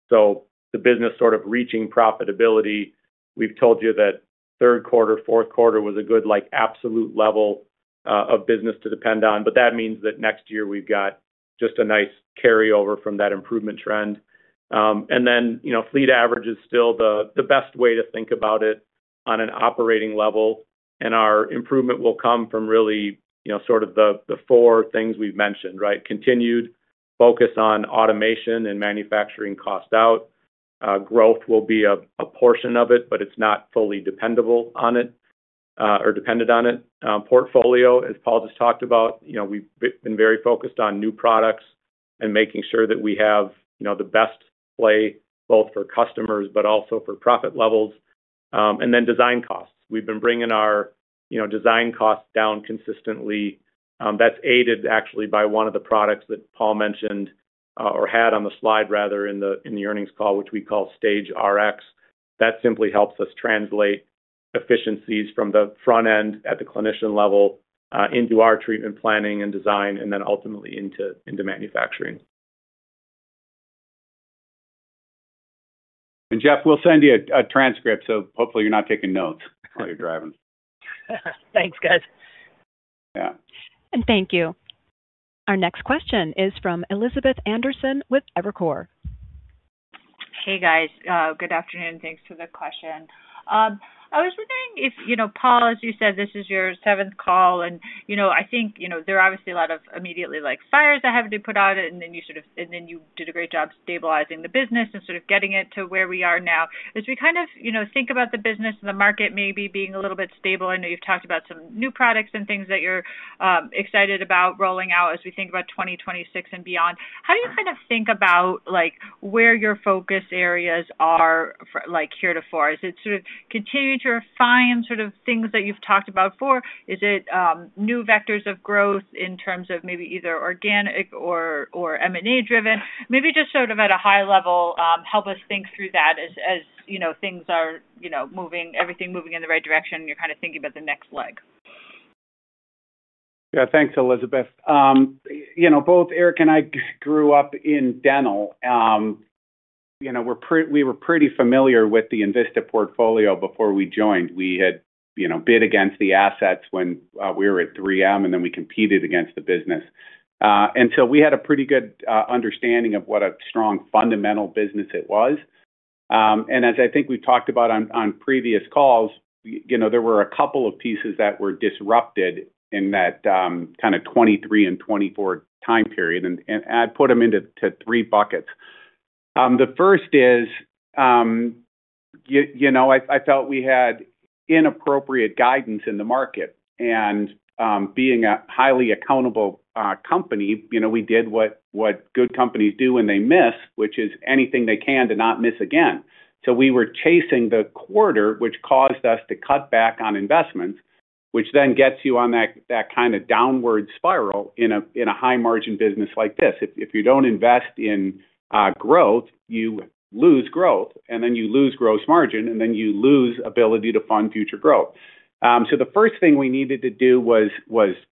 so the business sort of reaching profitability. We've told you that third quarter, fourth quarter was a good, like, absolute level of business to depend on, but that means that next year we've got just a nice carryover from that improvement trend. And then, you know, fleet average is still the best way to think about it on an operating level, and our improvement will come from really, you know, sort of the four things we've mentioned, right? Continued focus on automation and manufacturing cost out. Growth will be a portion of it, but it's not fully dependable on it, or dependent on it. Portfolio, as Paul just talked about, you know, we've been very focused on new products and making sure that we have, you know, the best play both for customers but also for profit levels. And then design costs. We've been bringing our, you know, design costs down consistently. That's aided actually by one of the products that Paul mentioned, or had on the slide rather in the earnings call, which we call StageRx. That simply helps us translate efficiencies from the front end at the clinician level into our treatment planning and design and then ultimately into manufacturing. Jeff, we'll send you a transcript, so hopefully you're not taking notes while you're driving. Thanks, guys. Yeah. Thank you. Our next question is from Elizabeth Anderson with Evercore. Hey, guys. Good afternoon. Thanks for the question. I was wondering if, you know, Paul, as you said, this is your seventh call, and, you know, I think, you know, there are obviously a lot of immediately, like, fires that have to be put out, and then you sort of—and then you did a great job stabilizing the business and sort of getting it to where we are now. As we kind of, you know, think about the business and the market maybe being a little bit stable, I know you've talked about some new products and things that you're excited about rolling out as we think about 2026 and beyond. How do you kind of think about, like, where your focus areas are for, like, here to 2024? Is it sort of continuing to refine sort of things that you've talked about before? Is it new vectors of growth in terms of maybe either organic or, or M&A driven? Maybe just sort of at a high level, help us think through that as, as you know, things are, you know, moving, everything moving in the right direction, you're kind of thinking about the next leg. Yeah. Thanks, Elizabeth. You know, both Eric and I grew up in dental. You know, we were pretty familiar with the Envista portfolio before we joined. We had, you know, bid against the assets when we were at 3M, and then we competed against the business. And so we had a pretty good understanding of what a strong fundamental business it was. And as I think we've talked about on previous calls, you know, there were a couple of pieces that were disrupted in that kind of 2023 and 2024 time period, and I'd put them into three buckets. The first is, you know, I felt we had inappropriate guidance in the market, and, being a highly accountable company, you know, we did what good companies do when they miss, which is anything they can to not miss again. So we were chasing the quarter, which caused us to cut back on investments, which then gets you on that kind of downward spiral in a high-margin business like this. If you don't invest in growth, you lose growth, and then you lose gross margin, and then you lose ability to fund future growth. So the first thing we needed to do was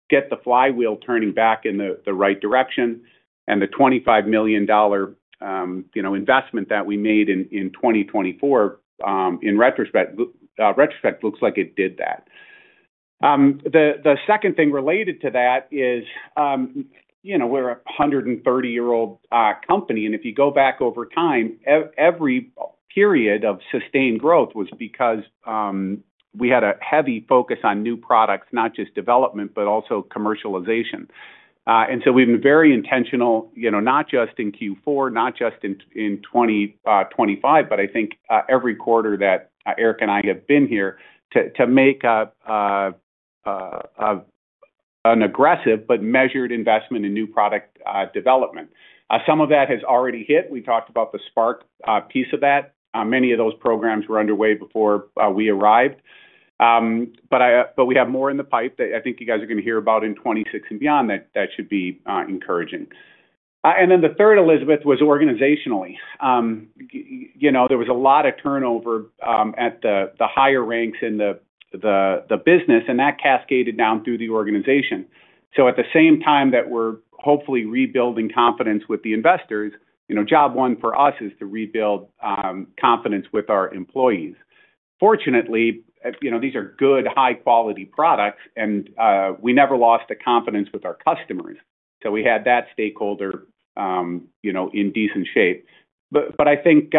get the flywheel turning back in the right direction, and the $25 million you know investment that we made in 2024 in retrospect looks like it did that.... the second thing related to that is, you know, we're a 130-year-old company, and if you go back over time, every period of sustained growth was because we had a heavy focus on new products, not just development, but also commercialization. And so we've been very intentional, you know, not just in Q4, not just in 2025, but I think every quarter that Eric and I have been here, to make an aggressive but measured investment in new product development. Some of that has already hit. We talked about the Spark piece of that. Many of those programs were underway before we arrived. But I, but we have more in the pipe that I think you guys are going to hear about in 2026 and beyond, that, that should be encouraging. And then the third, Elizabeth, was organizationally. You know, there was a lot of turnover at the higher ranks in the business, and that cascaded down through the organization. So at the same time that we're hopefully rebuilding confidence with the investors, you know, job one for us is to rebuild confidence with our employees. Fortunately, you know, these are good, high-quality products, and we never lost the confidence with our customers, so we had that stakeholder, you know, in decent shape. But, but I think,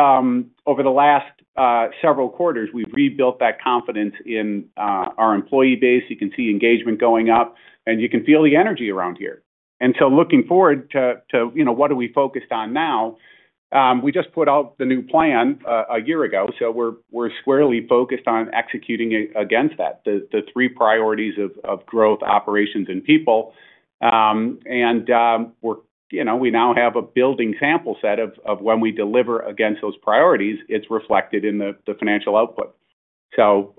over the last several quarters, we've rebuilt that confidence in our employee base. You can see engagement going up, and you can feel the energy around here. And so looking forward to you know, what are we focused on now? We just put out the new plan a year ago, so we're squarely focused on executing against that. The three priorities of growth, operations, and people. And we're you know, we now have a building sample set of when we deliver against those priorities, it's reflected in the financial output. So,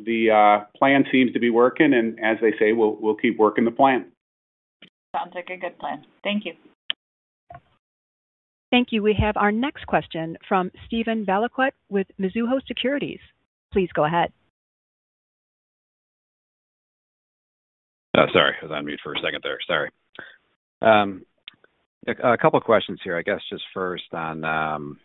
the plan seems to be working, and as they say, we'll keep working the plan. Sounds like a good plan. Thank you. Thank you. We have our next question from Steven Valiquette with Mizuho Securities. Please go ahead. Sorry, I was on mute for a second there. Sorry. A couple questions here, I guess just first on,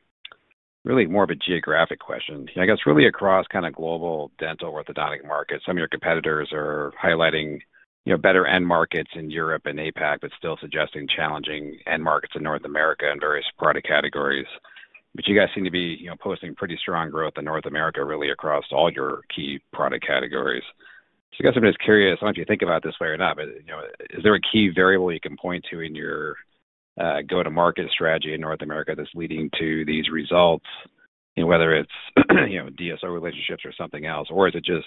really more of a geographic question. I guess, really across kind of global dental orthodontic markets, some of your competitors are highlighting, you know, better end markets in Europe and APAC, but still suggesting challenging end markets in North America in various product categories. But you guys seem to be, you know, posting pretty strong growth in North America, really across all your key product categories. So I guess I'm just curious, I don't know if you think about it this way or not, but, you know, is there a key variable you can point to in your go-to-market strategy in North America that's leading to these results? Whether it's, you know, DSO relationships or something else, or is it just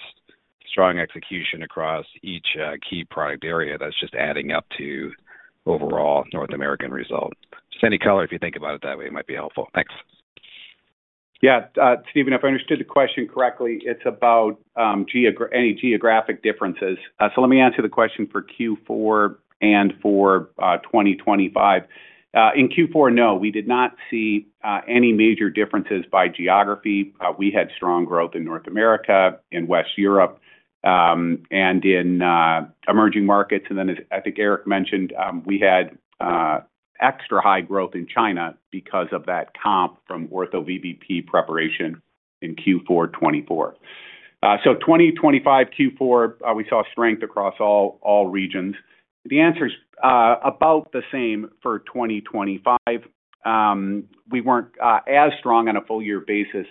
strong execution across each key product area that's just adding up to overall North American result? Just any color, if you think about it that way, might be helpful. Thanks. Yeah, Steven, if I understood the question correctly, it's about any geographic differences. So let me answer the question for Q4 and for 2025. In Q4, no, we did not see any major differences by geography. We had strong growth in North America, in West Europe, and in emerging markets. And then, as I think Eric mentioned, we had extra high growth in China because of that comp from ortho VBP preparation in Q4 2024. So 2025 Q4, we saw strength across all regions. The answer is about the same for 2025. We weren't as strong on a full year basis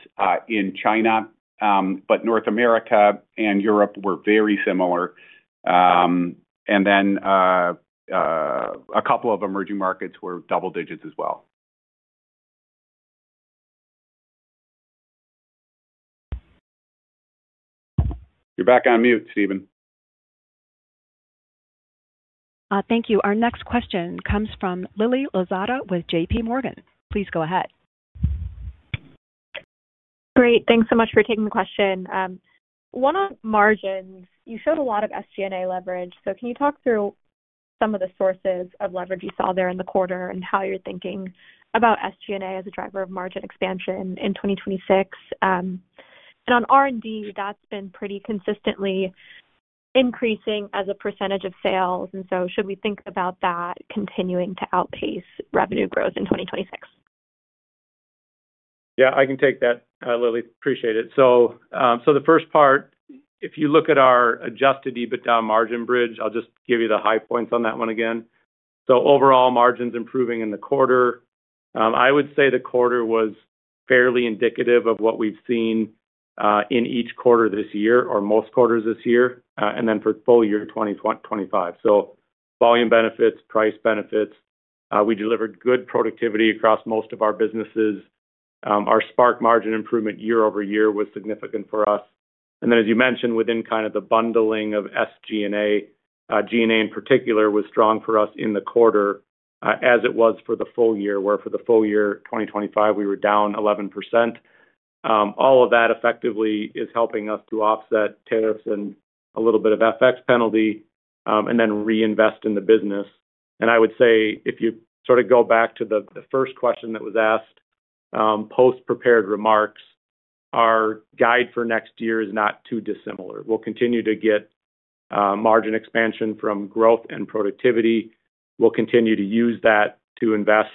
in China, but North America and Europe were very similar. And then a couple of emerging markets were double digits as well. You're back on mute, Steven. Thank you. Our next question comes from Lily Lozada with JP Morgan. Please go ahead. Great. Thanks so much for taking the question. One, on margins, you showed a lot of SG&A leverage, so can you talk through some of the sources of leverage you saw there in the quarter, and how you're thinking about SG&A as a driver of margin expansion in 2026? And on R&D, that's been pretty consistently increasing as a percentage of sales, and so should we think about that continuing to outpace revenue growth in 2026? Yeah, I can take that, Lily, appreciate it. So, so the first part, if you look at our adjusted EBITDA margin bridge, I'll just give you the high points on that one again. So overall margins improving in the quarter. I would say the quarter was fairly indicative of what we've seen in each quarter this year, or most quarters this year, and then for full year 2025. So volume benefits, price benefits. We delivered good productivity across most of our businesses. Our Spark margin improvement year-over-year was significant for us. And then, as you mentioned, within kind of the bundling of SG&A, G&A in particular was strong for us in the quarter, as it was for the full year 2025, we were down 11%. All of that effectively is helping us to offset tariffs and a little bit of FX penalty, and then reinvest in the business. I would say if you sort of go back to the first question that was asked post prepared remarks, our guide for next year is not too dissimilar. We'll continue to get margin expansion from growth and productivity. We'll continue to use that to invest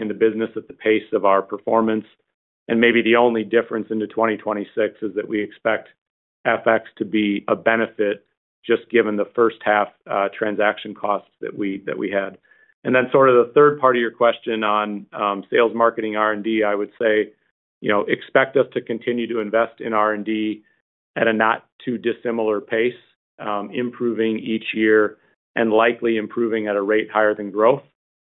in the business at the pace of our performance... and maybe the only difference into 2026 is that we expect FX to be a benefit, just given the first half transaction costs that we, that we had. And then sort of the third part of your question on sales, marketing, R&D, I would say, you know, expect us to continue to invest in R&D at a not too dissimilar pace, improving each year and likely improving at a rate higher than growth,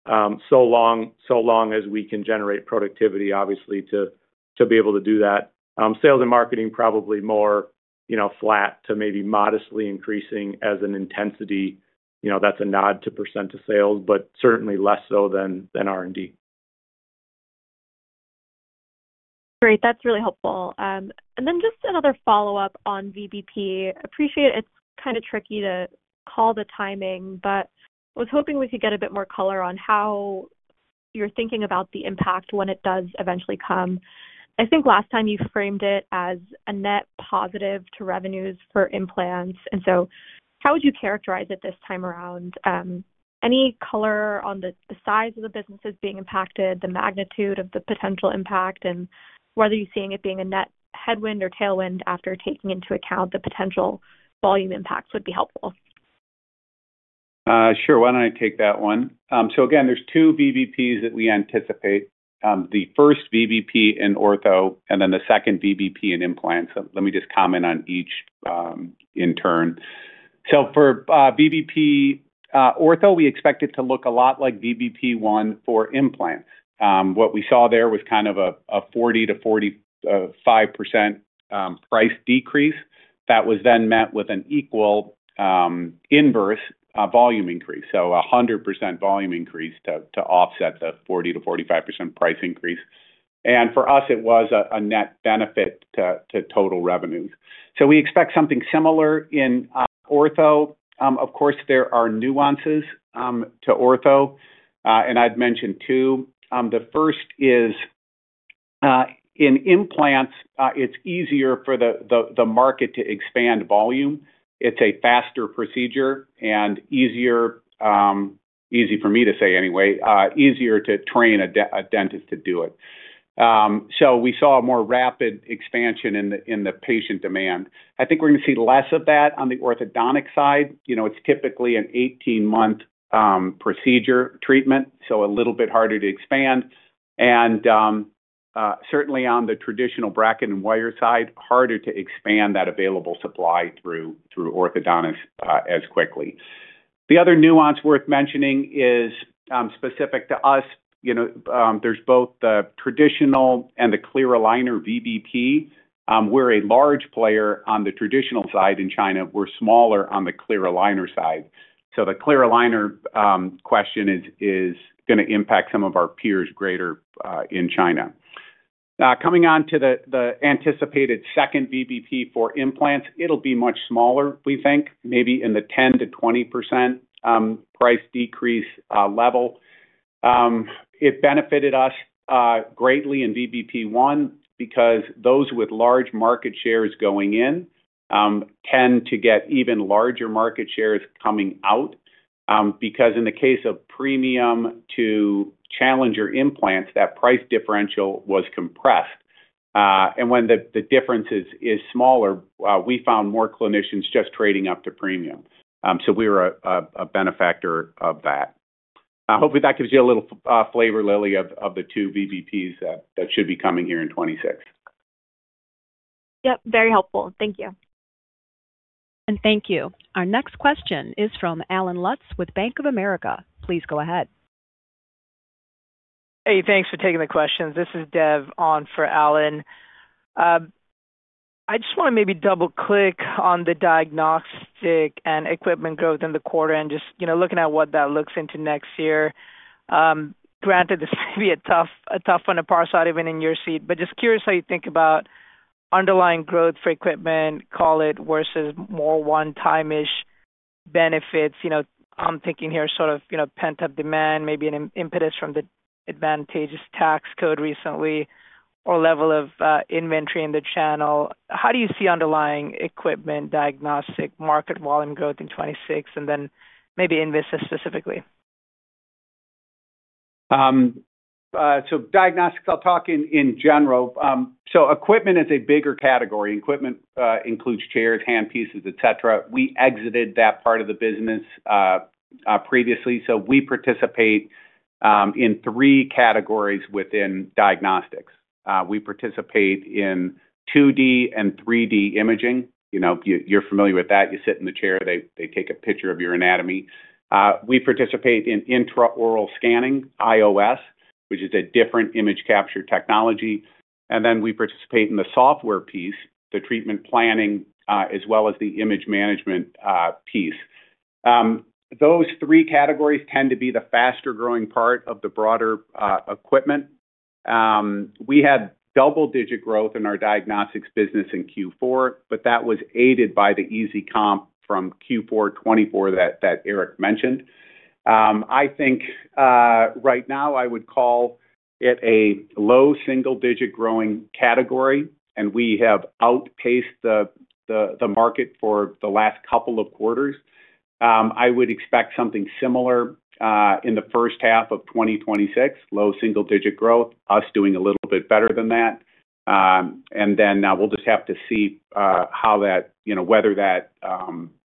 so long, so long as we can generate productivity, obviously, to, to be able to do that. Sales and marketing, probably more, you know, flat to maybe modestly increasing as an intensity. You know, that's a nod to percent of sales, but certainly less so than, than R&D. Great. That's really helpful. And then just another follow-up on VBP. Appreciate it's kind of tricky to call the timing, but I was hoping we could get a bit more color on how you're thinking about the impact when it does eventually come. I think last time you framed it as a net positive to revenues for implants, and so how would you characterize it this time around? Any color on the size of the businesses being impacted, the magnitude of the potential impact, and whether you're seeing it being a net headwind or tailwind after taking into account the potential volume impacts would be helpful. Sure. Why don't I take that one? So again, there's two VBPs that we anticipate. The first VBP in ortho, and then the second VBP in implants. So let me just comment on each, in turn. So for VBP ortho, we expect it to look a lot like VBP one for implants. What we saw there was kind of a 40%-45% price decrease. That was then met with an equal inverse volume increase, so a 100% volume increase to offset the 40%-45% price increase. And for us, it was a net benefit to total revenues. So we expect something similar in ortho. Of course, there are nuances to ortho, and I'd mention two. The first is, in implants, it's easier for the market to expand volume. It's a faster procedure and easier, easy for me to say anyway, easier to train a dentist to do it. So we saw a more rapid expansion in the patient demand. I think we're going to see less of that on the orthodontic side. You know, it's typically an 18-month procedure treatment, so a little bit harder to expand. And certainly on the traditional bracket and wire side, harder to expand that available supply through orthodontists, as quickly. The other nuance worth mentioning is specific to us. You know, there's both the traditional and the clear aligner VBP. We're a large player on the traditional side in China. We're smaller on the clear aligner side. So the clear aligner question is gonna impact some of our peers greater in China. Coming on to the anticipated second VBP for implants, it'll be much smaller, we think, maybe in the 10%-20% price decrease level. It benefited us greatly in VBP one because those with large market shares going in tend to get even larger market shares coming out. Because in the case of premium to challenger implants, that price differential was compressed. And when the difference is smaller, we found more clinicians just trading up to premium. So we were a benefactor of that. Hopefully, that gives you a little flavor, Lily, of the two VBPs that should be coming here in 2026. Yep, very helpful. Thank you. Thank you. Our next question is from Allen Lutz with Bank of America. Please go ahead. Hey, thanks for taking the questions. This is Dev on for Allen. I just want to maybe double-click on the diagnostic and equipment growth in the quarter and just, you know, looking at what that looks into next year. Granted, this may be a tough, a tough one to parse out, even in your seat, but just curious how you think about underlying growth for equipment, call it, versus more one-time-ish benefits. You know, I'm thinking here sort of, you know, pent-up demand, maybe an impetus from the advantageous tax code recently or level of inventory in the channel. How do you see underlying equipment, diagnostic, market volume growth in 2026, and then maybe in Envista specifically? So diagnostics, I'll talk in general. So equipment is a bigger category. Equipment includes chairs, handpieces, et cetera. We exited that part of the business previously. So we participate in three categories within diagnostics. We participate in 2D and 3D imaging. You know, you're familiar with that. You sit in the chair, they take a picture of your anatomy. We participate in intraoral scanning, IOS, which is a different image capture technology, and then we participate in the software piece, the treatment planning, as well as the image management, piece. Those three categories tend to be the faster-growing part of the broader equipment. We had double-digit growth in our diagnostics business in Q4, but that was aided by the easy comp from Q4 2024 that Eric mentioned. I think, right now I would call it a low single-digit growing category, and we have outpaced the market for the last couple of quarters. I would expect something similar in the first half of 2026, low single-digit growth, us doing a little bit better than that. And then, we'll just have to see how that, you know, whether that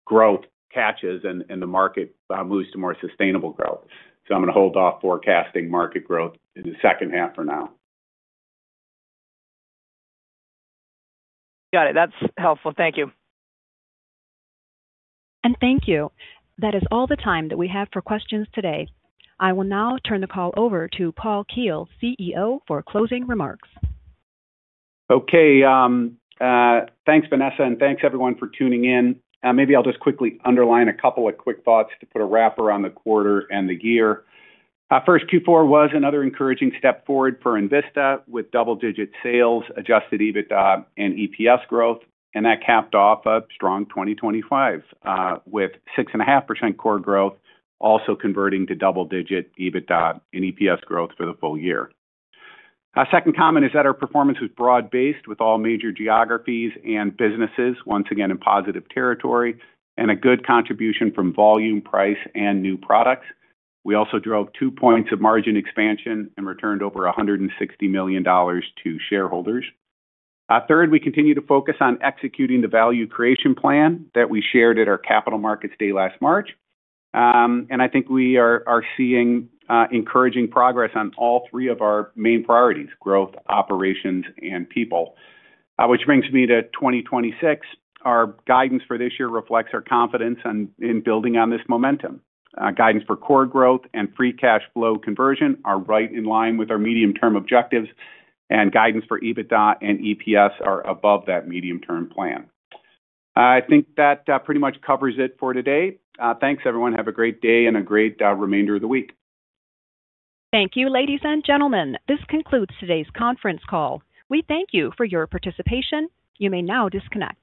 growth catches and the market moves to more sustainable growth. So I'm gonna hold off forecasting market growth in the second half for now. Got it. That's helpful. Thank you. Thank you. That is all the time that we have for questions today. I will now turn the call over to Paul Keel, CEO, for closing remarks. Okay, thanks, Vanessa, and thanks everyone for tuning in. Maybe I'll just quickly underline a couple of quick thoughts to put a wrap around the quarter and the year. First, Q4 was another encouraging step forward for Envista, with double-digit sales, adjusted EBITDA and EPS growth, and that capped off a strong 2025, with 6.5% core growth, also converting to double-digit EBITDA and EPS growth for the full year. Our second comment is that our performance was broad-based, with all major geographies and businesses once again in positive territory, and a good contribution from volume, price, and new products. We also drove two points of margin expansion and returned over $160 million to shareholders. Third, we continue to focus on executing the value creation plan that we shared at our Capital Markets Day last March. And I think we are seeing encouraging progress on all three of our main priorities: growth, operations, and people. Which brings me to 2026. Our guidance for this year reflects our confidence on, in building on this momentum. Guidance for core growth and free cash flow conversion are right in line with our medium-term objectives, and guidance for EBITDA and EPS are above that medium-term plan. I think that pretty much covers it for today. Thanks, everyone. Have a great day and a great remainder of the week. Thank you, ladies and gentlemen. This concludes today's conference call. We thank you for your participation. You may now disconnect.